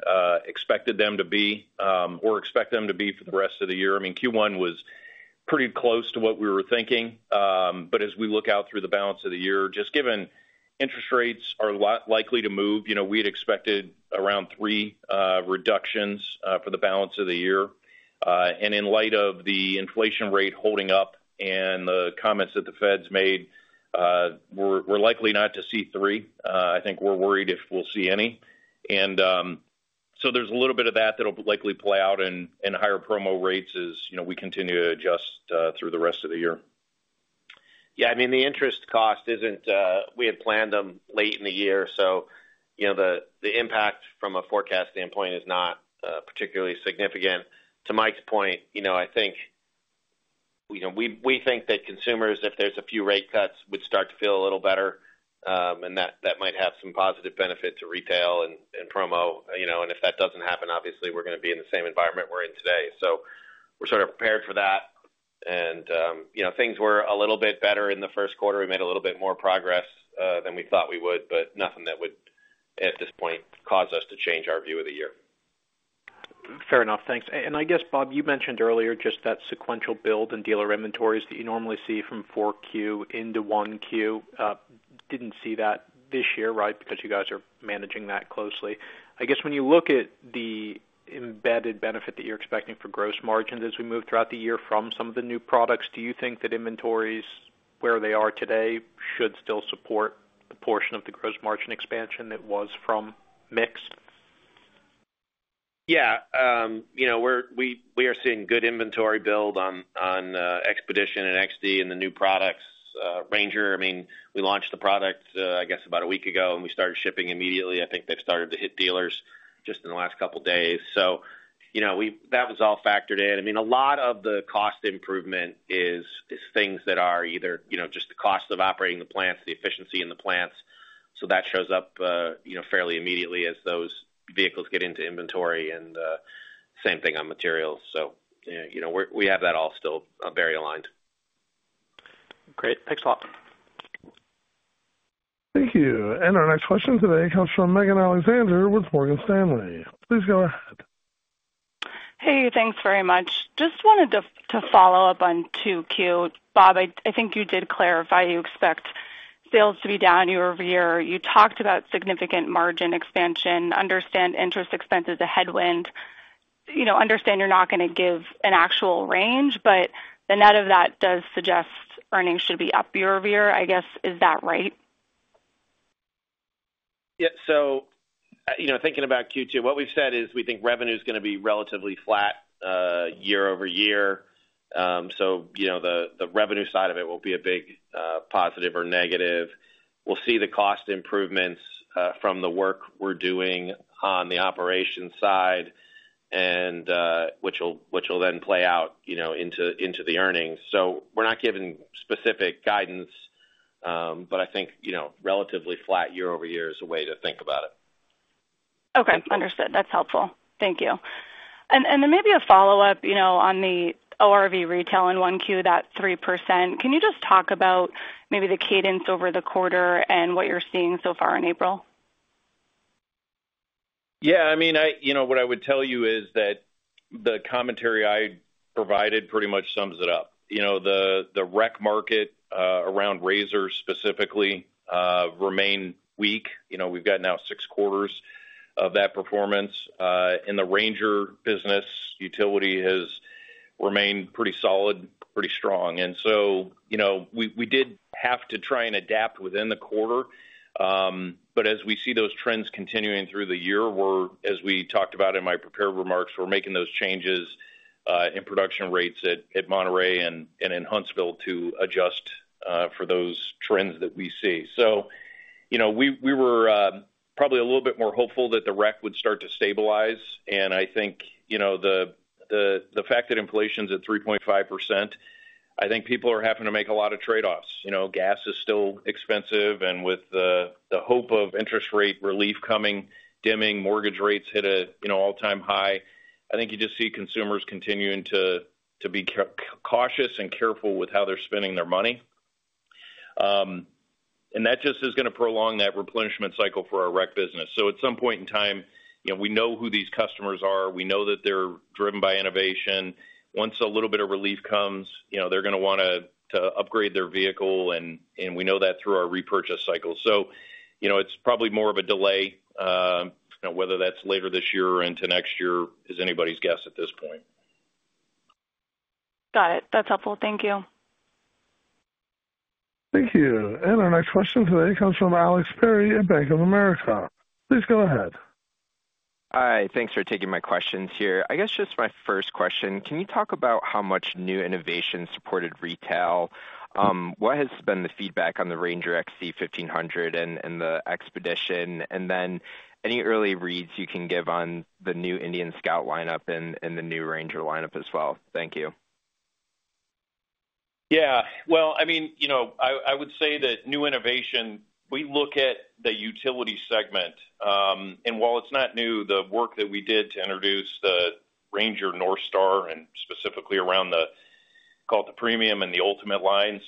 expected them to be, or expect them to be for the rest of the year. I mean, Q1 was pretty close to what we were thinking. But as we look out through the balance of the year, just given interest rates are likely to move, you know, we had expected around 3 reductions for the balance of the year. And in light of the inflation rate holding up and the comments that the Fed's made, we're likely not to see 3. I think we're worried if we'll see any. And, so there's a little bit of that that'll likely play out in higher promo rates as, you know, we continue to adjust through the rest of the year. Yeah, I mean, the interest cost isn't we had planned them late in the year, so you know, the impact from a forecast standpoint is not particularly significant. To Mike's point, you know, I think, you know, we think that consumers, if there's a few rate cuts, would start to feel a little better, and that might have some positive benefit to retail and promo. You know, and if that doesn't happen, obviously, we're gonna be in the same environment we're in today. So we're sort of prepared for that. And, you know, things were a little bit better in the first quarter. We made a little bit more progress, than we thought we would, but nothing that would, at this point, cause us to change our view of the year. Fair enough. Thanks. I guess, Bob, you mentioned earlier just that sequential build in dealer inventories that you normally see from Q4 into Q1. Didn't see that this year, right? Because you guys are managing that closely. I guess when you look at the embedded benefit that you're expecting for gross margins as we move throughout the year from some of the new products, do you think that inventories, where they are today, should still support the portion of the gross margin expansion that was from mix? Yeah, you know, we are seeing good inventory build on Xpedition and XD and the new products. Ranger, I mean, we launched the product, I guess, about a week ago, and we started shipping immediately. I think they've started to hit dealers just in the last couple days. So you know, that was all factored in. I mean, a lot of the cost improvement is things that are either, you know, just the cost of operating the plants, the efficiency in the plants. So that shows up, you know, fairly immediately as those vehicles get into inventory and, same thing on materials. So, you know, we have that all still very aligned. Great. Thanks a lot. Thank you. And our next question today comes from Megan Alexander with Morgan Stanley. Please go ahead. Hey, thanks very much. Just wanted to follow up on 2Q. Bob, I think you did clarify you expect sales to be down year-over-year. You talked about significant margin expansion. Understand interest expense is a headwind. You know, understand you're not gonna give an actual range, but the net of that does suggest earnings should be up year-over-year, I guess. Is that right? Yeah, so, you know, thinking about Q2, what we've said is, we think revenue is gonna be relatively flat, year-over-year. So you know, the revenue side of it won't be a big, positive or negative. We'll see the cost improvements, from the work we're doing on the operations side and, which will then play out, you know, into the earnings. So we're not giving specific guidance, but I think, you know, relatively flat year-over-year is a way to think about it. Okay, understood. That's helpful. Thank you. And, and then maybe a follow-up, you know, on the ORV retail in 1Q, that 3%. Can you just talk about maybe the cadence over the quarter and what you're seeing so far in April? Yeah, I mean, you know, what I would tell you is that the commentary I provided pretty much sums it up. You know, the Rec market around RZR specifically remain weak. You know, we've got now 6 quarters of that performance. In the Ranger business, utility has remained pretty solid, pretty strong. And so, you know, we did have to try and adapt within the quarter. But as we see those trends continuing through the year, we're, as we talked about in my prepared remarks, we're making those changes in production rates at Monterrey and in Huntsville to adjust for those trends that we see. So, you know, we were probably a little bit more hopeful that the Rec would start to stabilize. I think, you know, the fact that inflation's at 3.5%, I think people are having to make a lot of trade-offs. You know, gas is still expensive, and with the hope of interest rate relief coming, dimming, mortgage rates hit a, you know, all-time high. I think you just see consumers continuing to be cautious and careful with how they're spending their money. And that just is gonna prolong that replenishment cycle for our Rec business. So at some point in time, you know, we know who these customers are. We know that they're driven by innovation. Once a little bit of relief comes, you know, they're gonna wanna to upgrade their vehicle, and we know that through our repurchase cycle. So, you know, it's probably more of a delay. Whether that's later this year or into next year, is anybody's guess at this point. Got it. That's helpful. Thank you. Thank you. Our next question today comes from Alex Perry in Bank of America. Please go ahead. Hi, thanks for taking my questions here. I guess just my first question, can you talk about how much new innovation supported retail? What has been the feedback on the Ranger XD 1500 and the Xpedition? And then any early reads you can give on the new Indian Scout lineup and the new Ranger lineup as well? Thank you. Yeah, well, I mean, you know, I would say that new innovation, we look at the utility segment. And while it's not new, the work that we did to introduce the Ranger NorthStar, and specifically around the called the Premium and the Ultimate lines,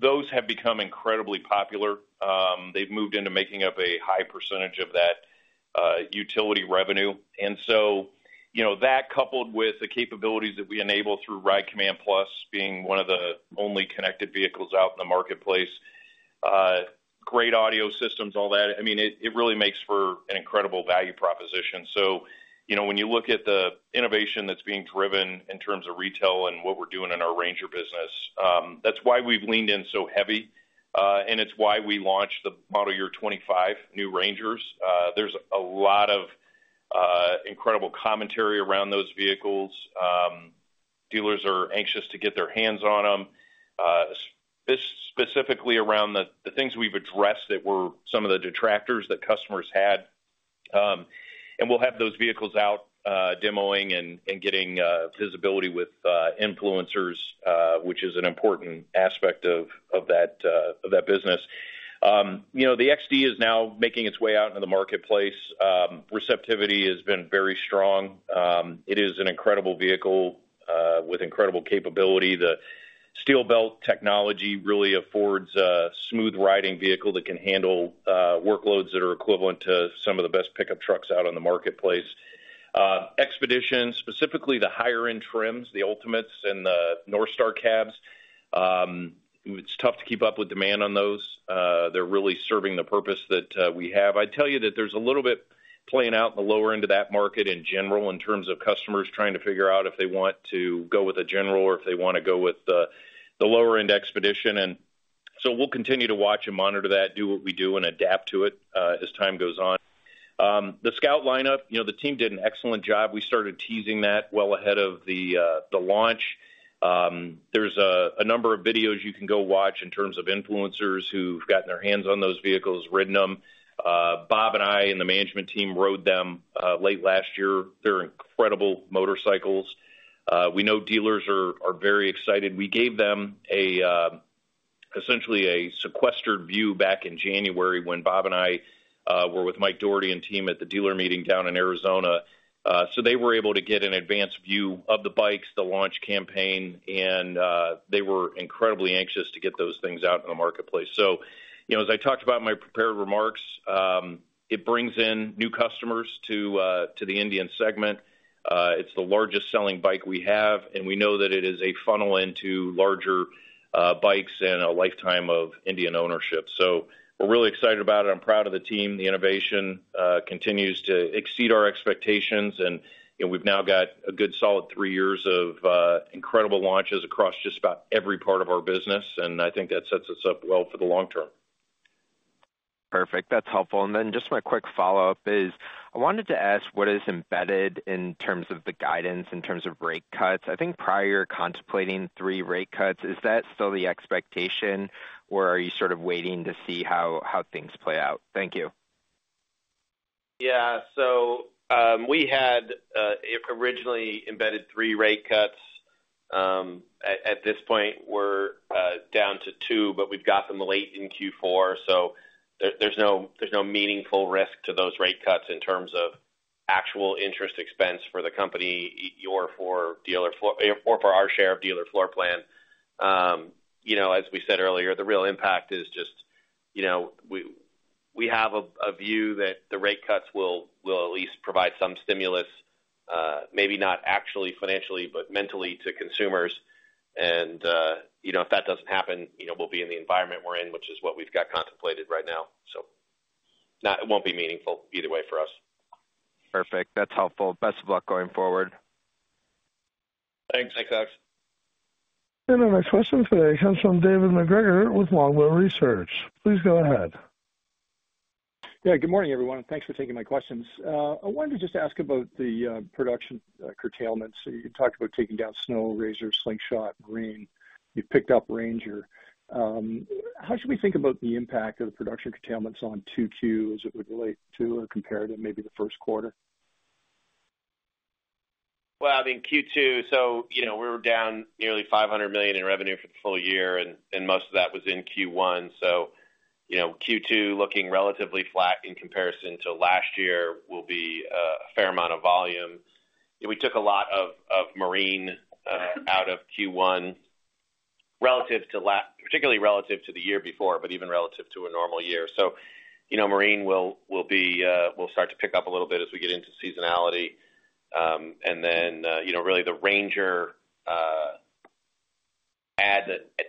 those have become incredibly popular. They've moved into making up a high percentage of that utility revenue. And so, you know, that coupled with the capabilities that we enable through RIDE COMMAND+, being one of the only connected vehicles out in the marketplace, great audio systems, all that. I mean, it really makes for an incredible value proposition. So, you know, when you look at the innovation that's being driven in terms of retail and what we're doing in our Ranger business, that's why we've leaned in so heavy, and it's why we launched the model year 2025 new Rangers. There's a lot of incredible commentary around those vehicles. Dealers are anxious to get their hands on them. This specifically around the things we've addressed that were some of the detractors that customers had. And we'll have those vehicles out, demoing and getting visibility with influencers, which is an important aspect of that business. You know, the XD is now making its way out into the marketplace. Receptivity has been very strong. It is an incredible vehicle with incredible capability. The steel belt technology really affords a smooth-riding vehicle that can handle workloads that are equivalent to some of the best pickup trucks out on the marketplace. Xpedition, specifically the higher-end trims, the Ultimates and the NorthStar cabs, it's tough to keep up with demand on those. They're really serving the purpose that we have. I'd tell you that there's a little bit playing out in the lower end of that market in general, in terms of customers trying to figure out if they want to go with a General or if they want to go with the lower-end Xpedition So we'll continue to watch and monitor that, do what we do and adapt to it, as time goes on. The Scout lineup, you know, the team did an excellent job. We started teasing that well ahead of the launch. There's a number of videos you can go watch in terms of influencers who've gotten their hands on those vehicles, ridden them. Bob and I and the management team rode them late last year. They're incredible motorcycles. We know dealers are very excited. We gave them essentially a sequestered view back in January when Bob and I were with Mike Dougherty and team at the dealer meeting down in Arizona. So they were able to get an advanced view of the bikes, the launch campaign, and they were incredibly anxious to get those things out in the marketplace. So, you know, as I talked about in my prepared remarks, it brings in new customers to the Indian segment. It's the largest selling bike we have, and we know that it is a funnel into larger bikes and a lifetime of Indian ownership. So we're really excited about it. I'm proud of the team. The innovation continues to exceed our expectations, and we've now got a good, solid three years of incredible launches across just about every part of our business, and I think that sets us up well for the long term. Perfect. That's helpful. And then just my quick follow-up is, I wanted to ask what is embedded in terms of the guidance, in terms of rate cuts? I think prior, contemplating 3 rate cuts, is that still the expectation, or are you sort of waiting to see how things play out? Thank you. Yeah. So, we had originally embedded 3 rate cuts. At this point, we're down to 2, but we've got them late in Q4, so there's no meaningful risk to those rate cuts in terms of actual interest expense for the company, or for dealer floor plan or for our share of dealer floor plan. You know, as we said earlier, the real impact is just, you know, we have a view that the rate cuts will at least provide some stimulus, maybe not actually financially, but mentally to consumers. And, you know, if that doesn't happen, you know, we'll be in the environment we're in, which is what we've got contemplated right now. So, it won't be meaningful either way for us. Perfect. That's helpful. Best of luck going forward. Thanks. Thanks, Alex. Our next question today comes from David MacGregor with Longbow Research. Please go ahead. Yeah, good morning, everyone, and thanks for taking my questions. I wanted to just ask about the production curtailments. So you talked about taking down Snow, RZR, Slingshot, Marine. You've picked up Ranger. How should we think about the impact of the production curtailments on 2Q as it would relate to or compare to maybe the first quarter? Well, I think Q2, so you know, we were down nearly $500 million in revenue for the full year, and most of that was in Q1. So, you know, Q2, looking relatively flat in comparison to last year, will be a fair amount of volume. We took a lot of Marine out of Q1, relative to last year, particularly relative to the year before, but even relative to a normal year. So, you know, Marine will start to pick up a little bit as we get into seasonality. And then, you know, really, the Ranger,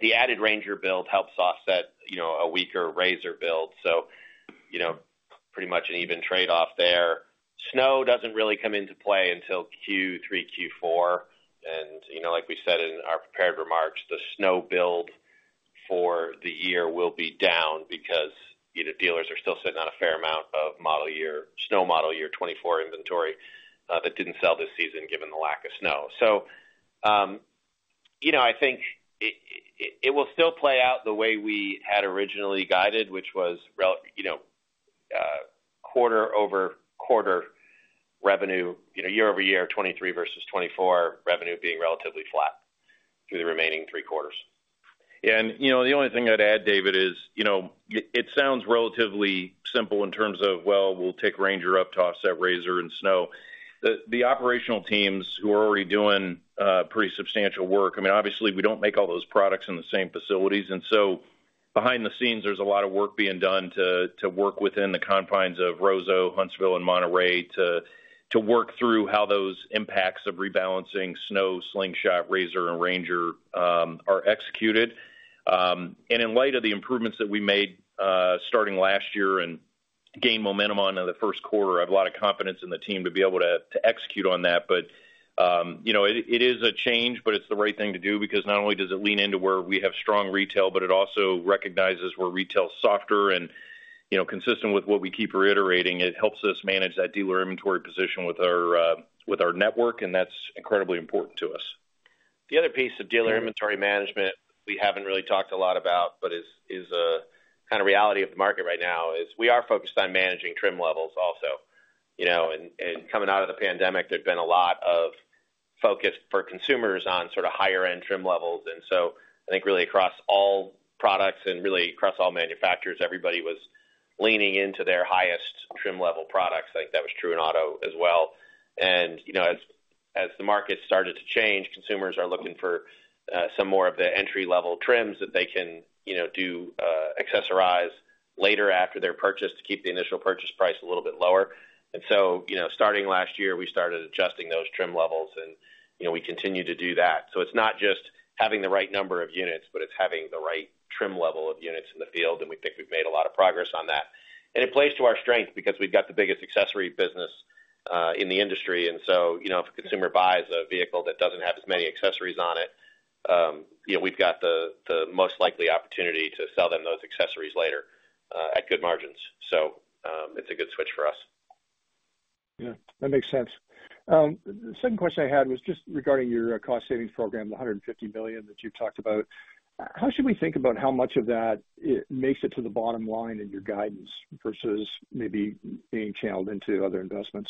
the added Ranger build helps offset, you know, a weaker RZR build. So, you know, pretty much an even trade-off there. Snow doesn't really come into play until Q3, Q4. You know, like we said in our prepared remarks, the Snow build for the year will be down because, you know, dealers are still sitting on a fair amount of model year, Snow model year 2024 inventory that didn't sell this season, given the lack of snow. So, you know, I think it will still play out the way we had originally guided, which was you know, quarter over quarter revenue, you know, year over year, 2023 versus 2024, revenue being relatively flat through the remaining three quarters. You know, the only thing I'd add, David, is, you know, it, it sounds relatively simple in terms of, well, we'll take Ranger up to offset RZR and Snow. The operational teams who are already doing pretty substantial work, I mean, obviously, we don't make all those products in the same facilities. And so behind the scenes, there's a lot of work being done to work within the confines of Roseau, Huntsville, and Monterrey to work through how those impacts of rebalancing Snow, Slingshot, RZR, and Ranger are executed. And in light of the improvements that we made starting last year and gain momentum on in the first quarter. I have a lot of confidence in the team to be able to execute on that. But, you know, it is a change, but it's the right thing to do because not only does it lean into where we have strong retail, but it also recognizes where retail is softer and, you know, consistent with what we keep reiterating, it helps us manage that dealer inventory position with our network, and that's incredibly important to us. The other piece of dealer inventory management we haven't really talked a lot about, but is a kind of reality of the market right now, is we are focused on managing trim levels also. You know, and coming out of the pandemic, there'd been a lot of focus for consumers on sort of higher end trim levels. And so I think really across all products and really across all manufacturers, everybody was leaning into their highest trim level products. I think that was true in auto as well. And, you know, as the market started to change, consumers are looking for some more of the entry-level trims that they can, you know, do accessorize later after their purchase to keep the initial purchase price a little bit lower. And so, you know, starting last year, we started adjusting those trim levels and, you know, we continue to do that. So it's not just having the right number of units, but it's having the right trim level of units in the field, and we think we've made a lot of progress on that. And it plays to our strength because we've got the biggest accessory business in the industry. And so, you know, if a consumer buys a vehicle that doesn't have as many accessories on it, you know, we've got the most likely opportunity to sell them those accessories later at good margins. So, it's a good switch for us. Yeah, that makes sense. The second question I had was just regarding your cost savings program, the $150 million that you've talked about. How should we think about how much of that makes it to the bottom line in your guidance versus maybe being channeled into other investments?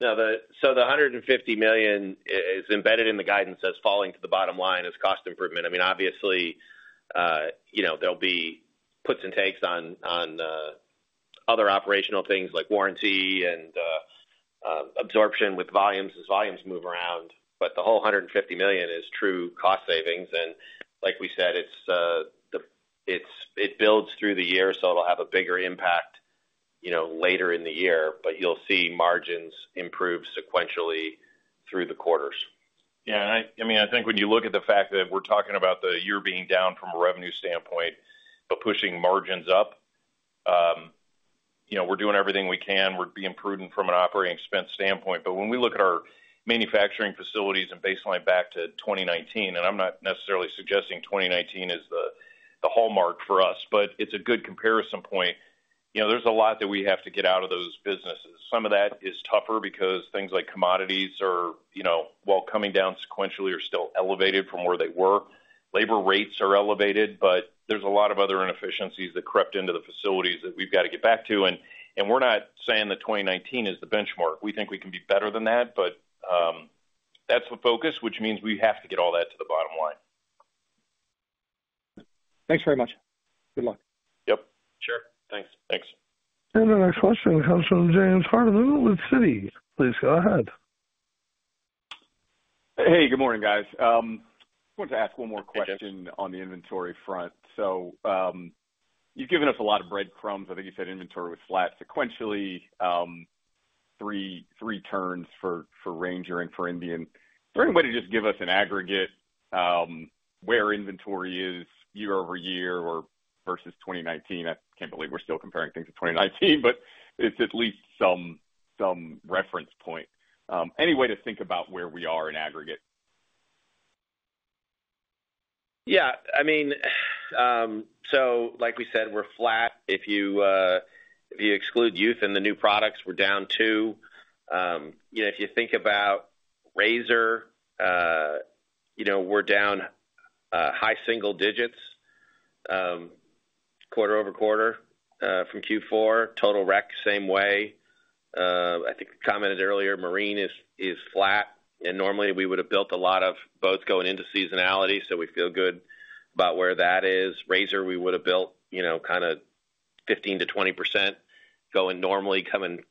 Now, so the $150 million is embedded in the guidance as falling to the bottom line as cost improvement. I mean, obviously, you know, there'll be puts and takes on, on the other operational things like warranty and, absorption with volumes, as volumes move around. But the whole $150 million is true cost savings, and like we said, it's, it builds through the year, so it'll have a bigger impact, you know, later in the year, but you'll see margins improve sequentially through the quarters. Yeah, I mean, I think when you look at the fact that we're talking about the year being down from a revenue standpoint, but pushing margins up, you know, we're doing everything we can. We're being prudent from an operating expense standpoint. But when we look at our manufacturing facilities and baseline back to 2019, and I'm not necessarily suggesting 2019 is the hallmark for us, but it's a good comparison point. You know, there's a lot that we have to get out of those businesses. Some of that is tougher because things like commodities are, you know, while coming down sequentially, are still elevated from where they were. Labor rates are elevated, but there's a lot of other inefficiencies that crept into the facilities that we've got to get back to. And we're not saying that 2019 is the benchmark. We think we can be better than that, but that's the focus, which means we have to get all that to the bottom line. Thanks very much. Good luck. Yep. Sure. Thanks. Thanks. The next question comes from James Hardiman of Citi. Please go ahead. Hey, good morning, guys. I wanted to ask one more question on the inventory front. So, you've given us a lot of breadcrumbs. I think you said inventory was flat sequentially, 3 turns for Ranger and for Indian. Is there any way to just give us an aggregate, where inventory is year-over-year or versus 2019? I can't believe we're still comparing things to 2019, but it's at least some reference point. Any way to think about where we are in aggregate? Yeah, I mean, so like we said, we're flat. If you, if you exclude youth and the new products, we're down 2. You know, if you think about RZR, you know, we're down high single digits quarter-over-quarter from Q4. Total Rec, same way. I think we commented earlier, Marine is flat, and normally we would have built a lot of boats going into seasonality, so we feel good about where that is. RZR, we would have built, you know, kinda 15%-20%, going normally, coming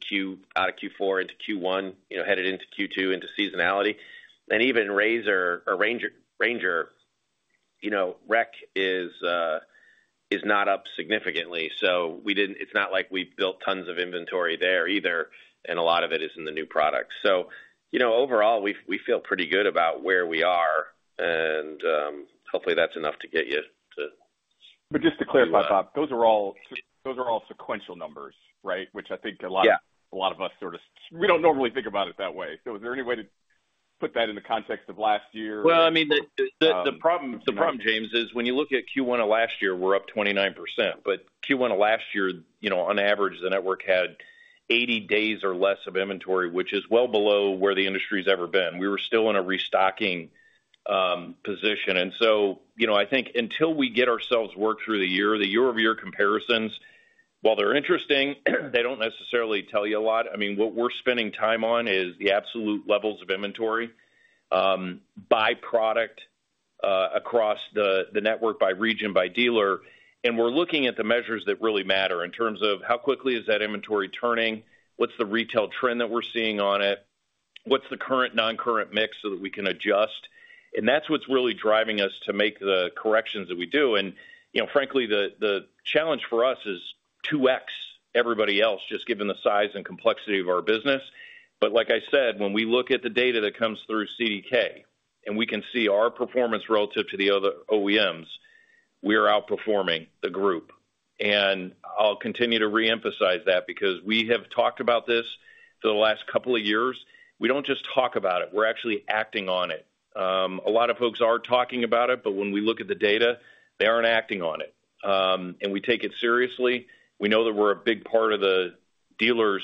out of Q4 into Q1, you know, headed into Q2, into seasonality. And even RZR or Ranger, Ranger, you know, Rec is not up significantly, so we didn't. It's not like we built tons of inventory there either, and a lot of it is in the new products. You know, overall, we feel pretty good about where we are, and hopefully, that's enough to get you to- But just to clarify, Bob, those are all, those are all sequential numbers, right? Which I think a lot- Yeah. A lot of us sort of... We don't normally think about it that way. So is there any way to put that in the context of last year? Well, I mean, the problem, James, is when you look at Q1 of last year, we're up 29%. But Q1 of last year, you know, on average, the network had 80 days or less of inventory, which is well below where the industry's ever been. We were still in a restocking position. And so, you know, I think until we get ourselves worked through the year, the year-over-year comparisons, while they're interesting, they don't necessarily tell you a lot. I mean, what we're spending time on is the absolute levels of inventory by product across the network, by region, by dealer, and we're looking at the measures that really matter in terms of how quickly is that inventory turning? What's the retail trend that we're seeing on it? What's the current non-current mix so that we can adjust? And that's what's really driving us to make the corrections that we do. And, you know, frankly, the challenge for us is 2x everybody else, just given the size and complexity of our business. But like I said, when we look at the data that comes through CDK and we can see our performance relative to the other OEMs, we are outperforming the group. And I'll continue to reemphasize that because we have talked about this for the last couple of years. We don't just talk about it, we're actually acting on it. A lot of folks are talking about it, but when we look at the data, they aren't acting on it. And we take it seriously. We know that we're a big part of the dealers'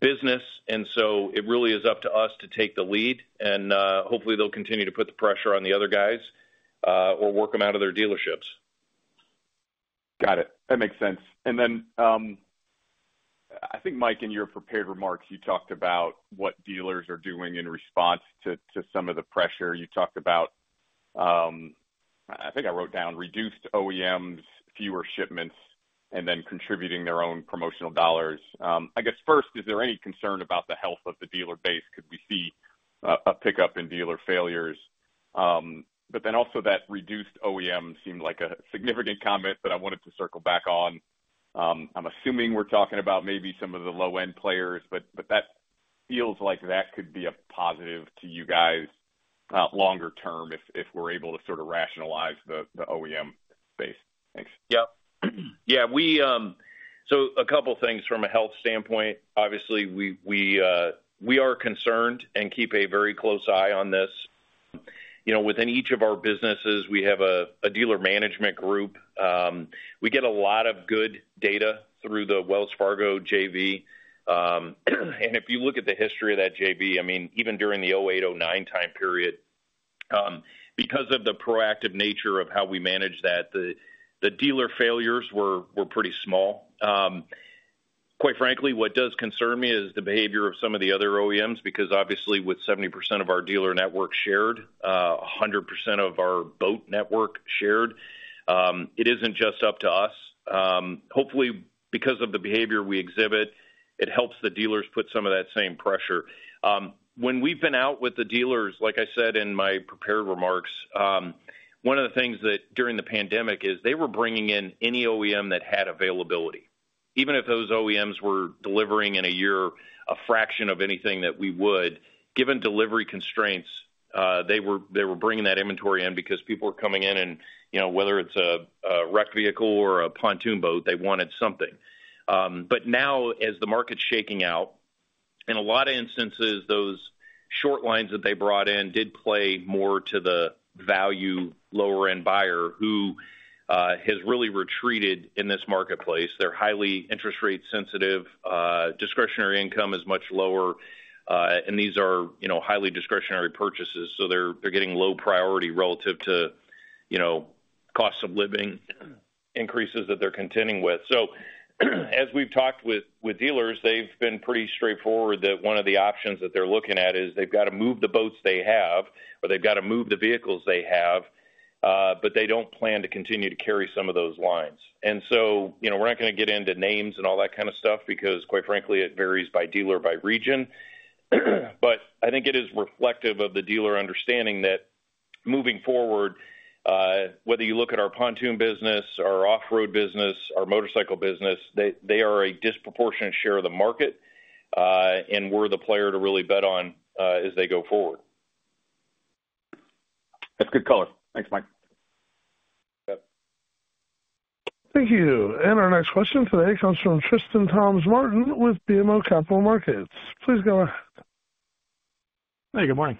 business, and so it really is up to us to take the lead, and hopefully, they'll continue to put the pressure on the other guys, or work them out of their dealerships. Got it. That makes sense. And then, I think, Mike, in your prepared remarks, you talked about what dealers are doing in response to some of the pressure. You talked about, I think I wrote down, reduced OEMs, fewer shipments, and then contributing their own promotional dollars. I guess first, is there any concern about the health of the dealer base? Could we see a pickup in dealer failures? But then also that reduced OEM seemed like a significant comment that I wanted to circle back on. I'm assuming we're talking about maybe some of the low-end players, but that feels like that could be a positive to you guys, longer term, if we're able to sort of rationalize the OEM space. Thanks. Yeah. Yeah, we... So a couple things from a health standpoint. Obviously, we are concerned and keep a very close eye on this. You know, within each of our businesses, we have a dealer management group. We get a lot of good data through the Wells Fargo JV. And if you look at the history of that JV, I mean, even during the 2008, 2009 time period, because of the proactive nature of how we managed that, the dealer failures were pretty small. Quite frankly, what does concern me is the behavior of some of the other OEMs, because obviously, with 70% of our dealer network shared, 100% of our boat network shared, it isn't just up to us. Hopefully, because of the behavior we exhibit, it helps the dealers put some of that same pressure. When we've been out with the dealers, like I said in my prepared remarks, one of the things that during the pandemic is they were bringing in any OEM that had availability, even if those OEMs were delivering in a year, a fraction of anything that we would. Given delivery constraints, they were bringing that inventory in because people were coming in and, you know, whether it's a rec vehicle or a pontoon boat, they wanted something. But now, as the market's shaking out, in a lot of instances, those short lines that they brought in did play more to the value lower-end buyer, who has really retreated in this marketplace. They're highly interest rate sensitive. Discretionary income is much lower, and these are, you know, highly discretionary purchases, so they're getting low priority relative to, you know, cost of living increases that they're contending with. So as we've talked with dealers, they've been pretty straightforward that one of the options that they're looking at is they've got to move the boats they have, or they've got to move the vehicles they have, but they don't plan to continue to carry some of those lines. And so, you know, we're not gonna get into names and all that kind of stuff because, quite frankly, it varies by dealer, by region. But I think it is reflective of the dealer understanding that moving forward, whether you look at our pontoon business, our Off-road business, our motorcycle business, they, they are a disproportionate share of the market, and we're the player to really bet on, as they go forward. That's good color. Thanks, Mike. Yep. Thank you. Our next question today comes from Tristan Thomas-Martin with BMO Capital Markets. Please go ahead. Hey, good morning.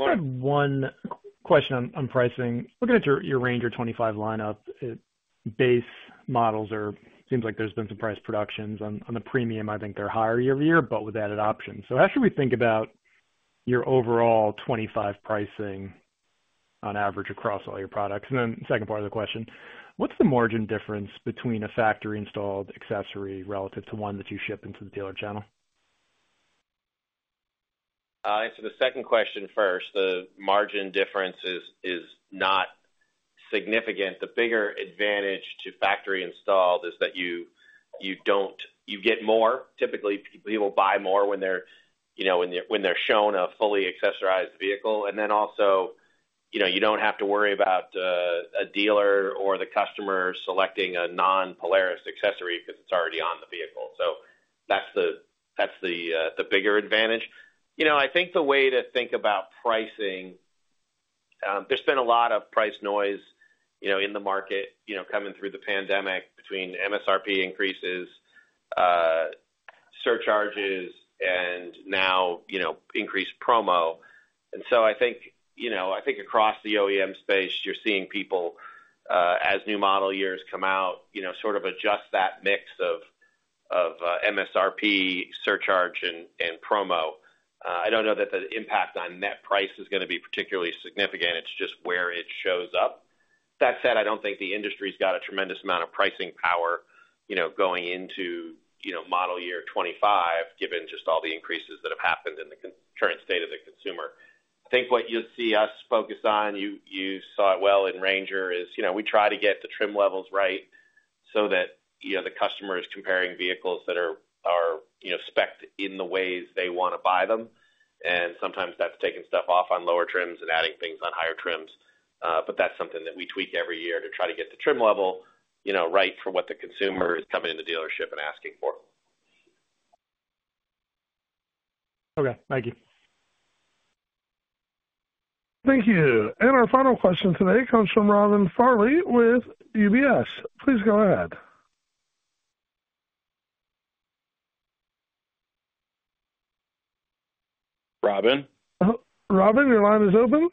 I had one question on pricing. Looking at your Ranger 25 lineup, base models seem like there's been some price reductions. On the premium, I think they're higher year over year, but with added options. So how should we think about your overall 25 pricing on average across all your products? And then the second part of the question, what's the margin difference between a factory-installed accessory relative to one that you ship into the dealer channel? So the second question first, the margin difference is not significant. The bigger advantage to factory installed is that you don't get more. Typically, people buy more when they're, you know, shown a fully accessorized vehicle. And then also, you know, you don't have to worry about a dealer or the customer selecting a non-Polaris accessory because it's already on the vehicle. So that's the bigger advantage. You know, I think the way to think about pricing, there's been a lot of price noise, you know, in the market, you know, coming through the pandemic between MSRP increases, surcharges, and now, you know, increased promo. And so I think, you know, I think across the OEM space, you're seeing people, as new model years come out, you know, sort of adjust that mix of MSRP, surcharge, and promo. I don't know that the impact on net price is gonna be particularly significant. It's just where it shows up. That said, I don't think the industry's got a tremendous amount of pricing power, you know, going into, you know, model year 25, given just all the increases that have happened in the current state of the consumer. I think what you'll see us focus on, you saw it well in Ranger, is, you know, we try to get the trim levels right so that, you know, the customer is comparing vehicles that are, you know, spec'd in the ways they wanna buy them.... Sometimes that's taking stuff off on lower trims and adding things on higher trims. That's something that we tweak every year to try to get the trim level, you know, right for what the consumer is coming in the dealership and asking for. Okay, thank you. Thank you. Our final question today comes from Robin Farley with UBS. Please go ahead. Robin? Robin, your line is open.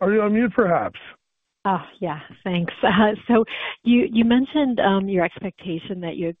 Are you on mute, perhaps? Oh, yeah, thanks. So you mentioned your expectation that you're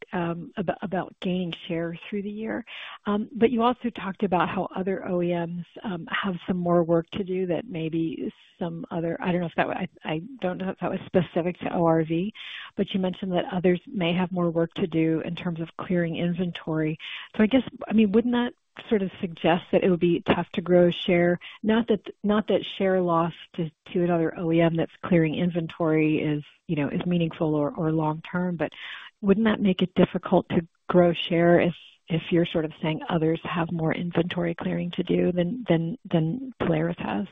about gaining share through the year. But you also talked about how other OEMs have some more work to do that maybe some other—I don't know if that was... I don't know if that was specific to ORV, but you mentioned that others may have more work to do in terms of clearing inventory. So I guess, I mean, wouldn't that sort of suggest that it would be tough to grow share? Not that share loss to another OEM that's clearing inventory is, you know, is meaningful or long term, but wouldn't that make it difficult to grow share if you're sort of saying others have more inventory clearing to do than Polaris has?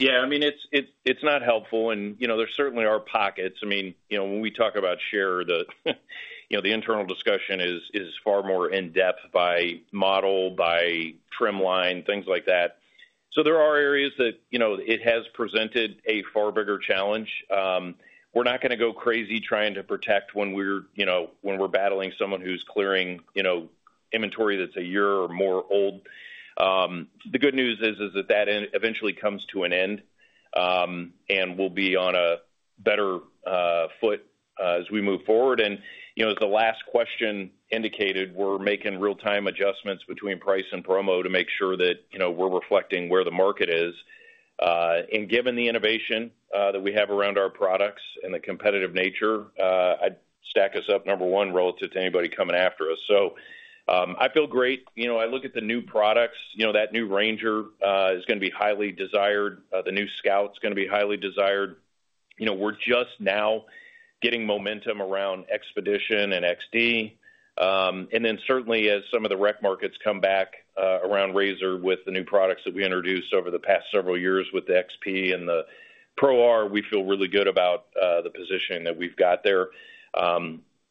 Yeah, I mean, it's not helpful. And, you know, there certainly are pockets. I mean, you know, when we talk about share, the internal discussion is far more in-depth by model, by trim line, things like that. So there are areas that, you know, it has presented a far bigger challenge. We're not gonna go crazy trying to protect when we're, you know, when we're battling someone who's clearing, you know, inventory that's a year or more old. The good news is that that end eventually comes to an end, and we'll be on a better foot as we move forward. And, you know, as the last question indicated, we're making real-time adjustments between price and promo to make sure that, you know, we're reflecting where the market is. And given the innovation that we have around our products and the competitive nature, I'd stack us up number one relative to anybody coming after us. So, I feel great. You know, I look at the new products, you know, that new Ranger is gonna be highly desired. The new Scout's gonna be highly desired. You know, we're just now getting momentum around Expedition and XD. And then certainly, as some of the rec markets come back around RZR with the new products that we introduced over the past several years with the XP and the Pro R, we feel really good about the positioning that we've got there.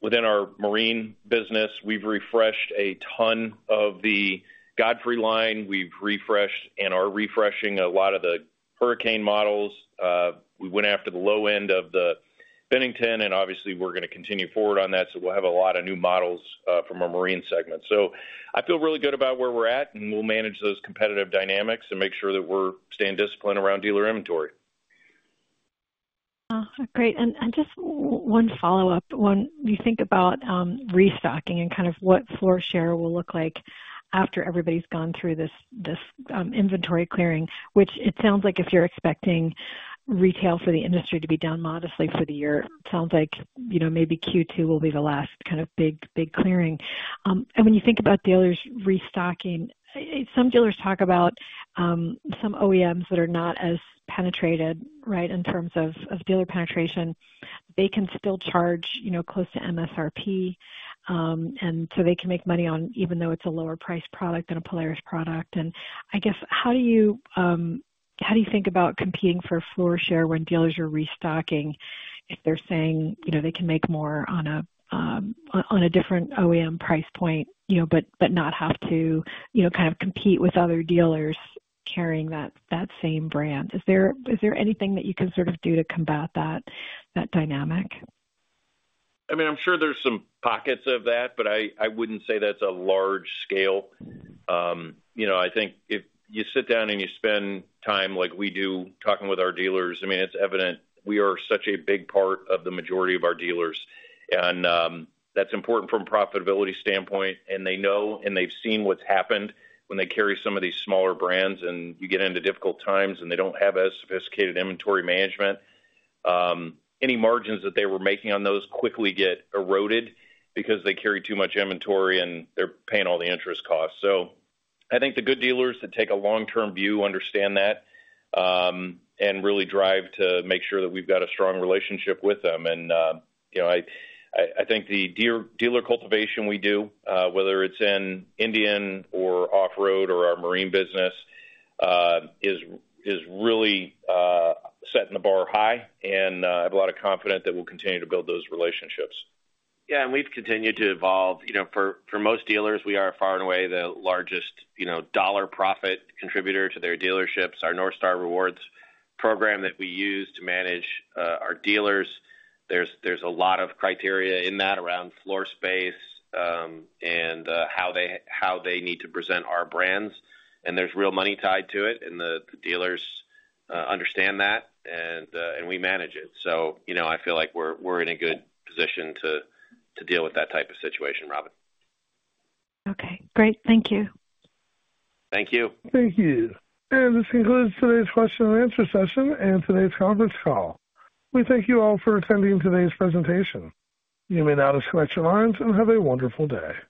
Within our Marine business, we've refreshed a ton of the Godfrey line. We've refreshed and are refreshing a lot of the Hurricane models. We went after the low end of the Bennington, and obviously, we're gonna continue forward on that. So we'll have a lot of new models from our Marine segment. So I feel really good about where we're at, and we'll manage those competitive dynamics and make sure that we're staying disciplined around dealer inventory. Great. And just one follow-up. When you think about restocking and kind of what floor share will look like after everybody's gone through this inventory clearing, which it sounds like if you're expecting retail for the industry to be down modestly for the year, sounds like you know maybe Q2 will be the last kind of big clearing. And when you think about dealers restocking, some dealers talk about some OEMs that are not as penetrated, right, in terms of dealer penetration. They can still charge, you know, close to MSRP, and so they can make money on even though it's a lower priced product than a Polaris product. I guess, how do you think about competing for floor share when dealers are restocking, if they're saying, you know, they can make more on a different OEM price point, you know, but not have to, you know, kind of compete with other dealers carrying that same brand? Is there anything that you can sort of do to combat that dynamic? I mean, I'm sure there's some pockets of that, but I, I wouldn't say that's a large scale. You know, I think if you sit down and you spend time like we do, talking with our dealers, I mean, it's evident we are such a big part of the majority of our dealers. And, that's important from a profitability standpoint, and they know, and they've seen what's happened when they carry some of these smaller brands, and you get into difficult times, and they don't have as sophisticated inventory management. Any margins that they were making on those quickly get eroded because they carry too much inventory, and they're paying all the interest costs. So I think the good dealers that take a long-term view understand that, and really drive to make sure that we've got a strong relationship with them. You know, I think the dealer cultivation we do, whether it's in Indian or Off-road or our Marine business, is really setting the bar high. I have a lot of confidence that we'll continue to build those relationships. Yeah, and we've continued to evolve. You know, for most dealers, we are far and away the largest, you know, dollar profit contributor to their dealerships. Our NorthStar Rewards program that we use to manage our dealers, there's a lot of criteria in that around floor space, and how they need to present our brands, and there's real money tied to it, and the dealers understand that, and we manage it. So, you know, I feel like we're in a good position to deal with that type of situation, Robin. Okay, great. Thank you. Thank you. Thank you. This concludes today's question and answer session and today's conference call. We thank you all for attending today's presentation. You may now disconnect your lines and have a wonderful day.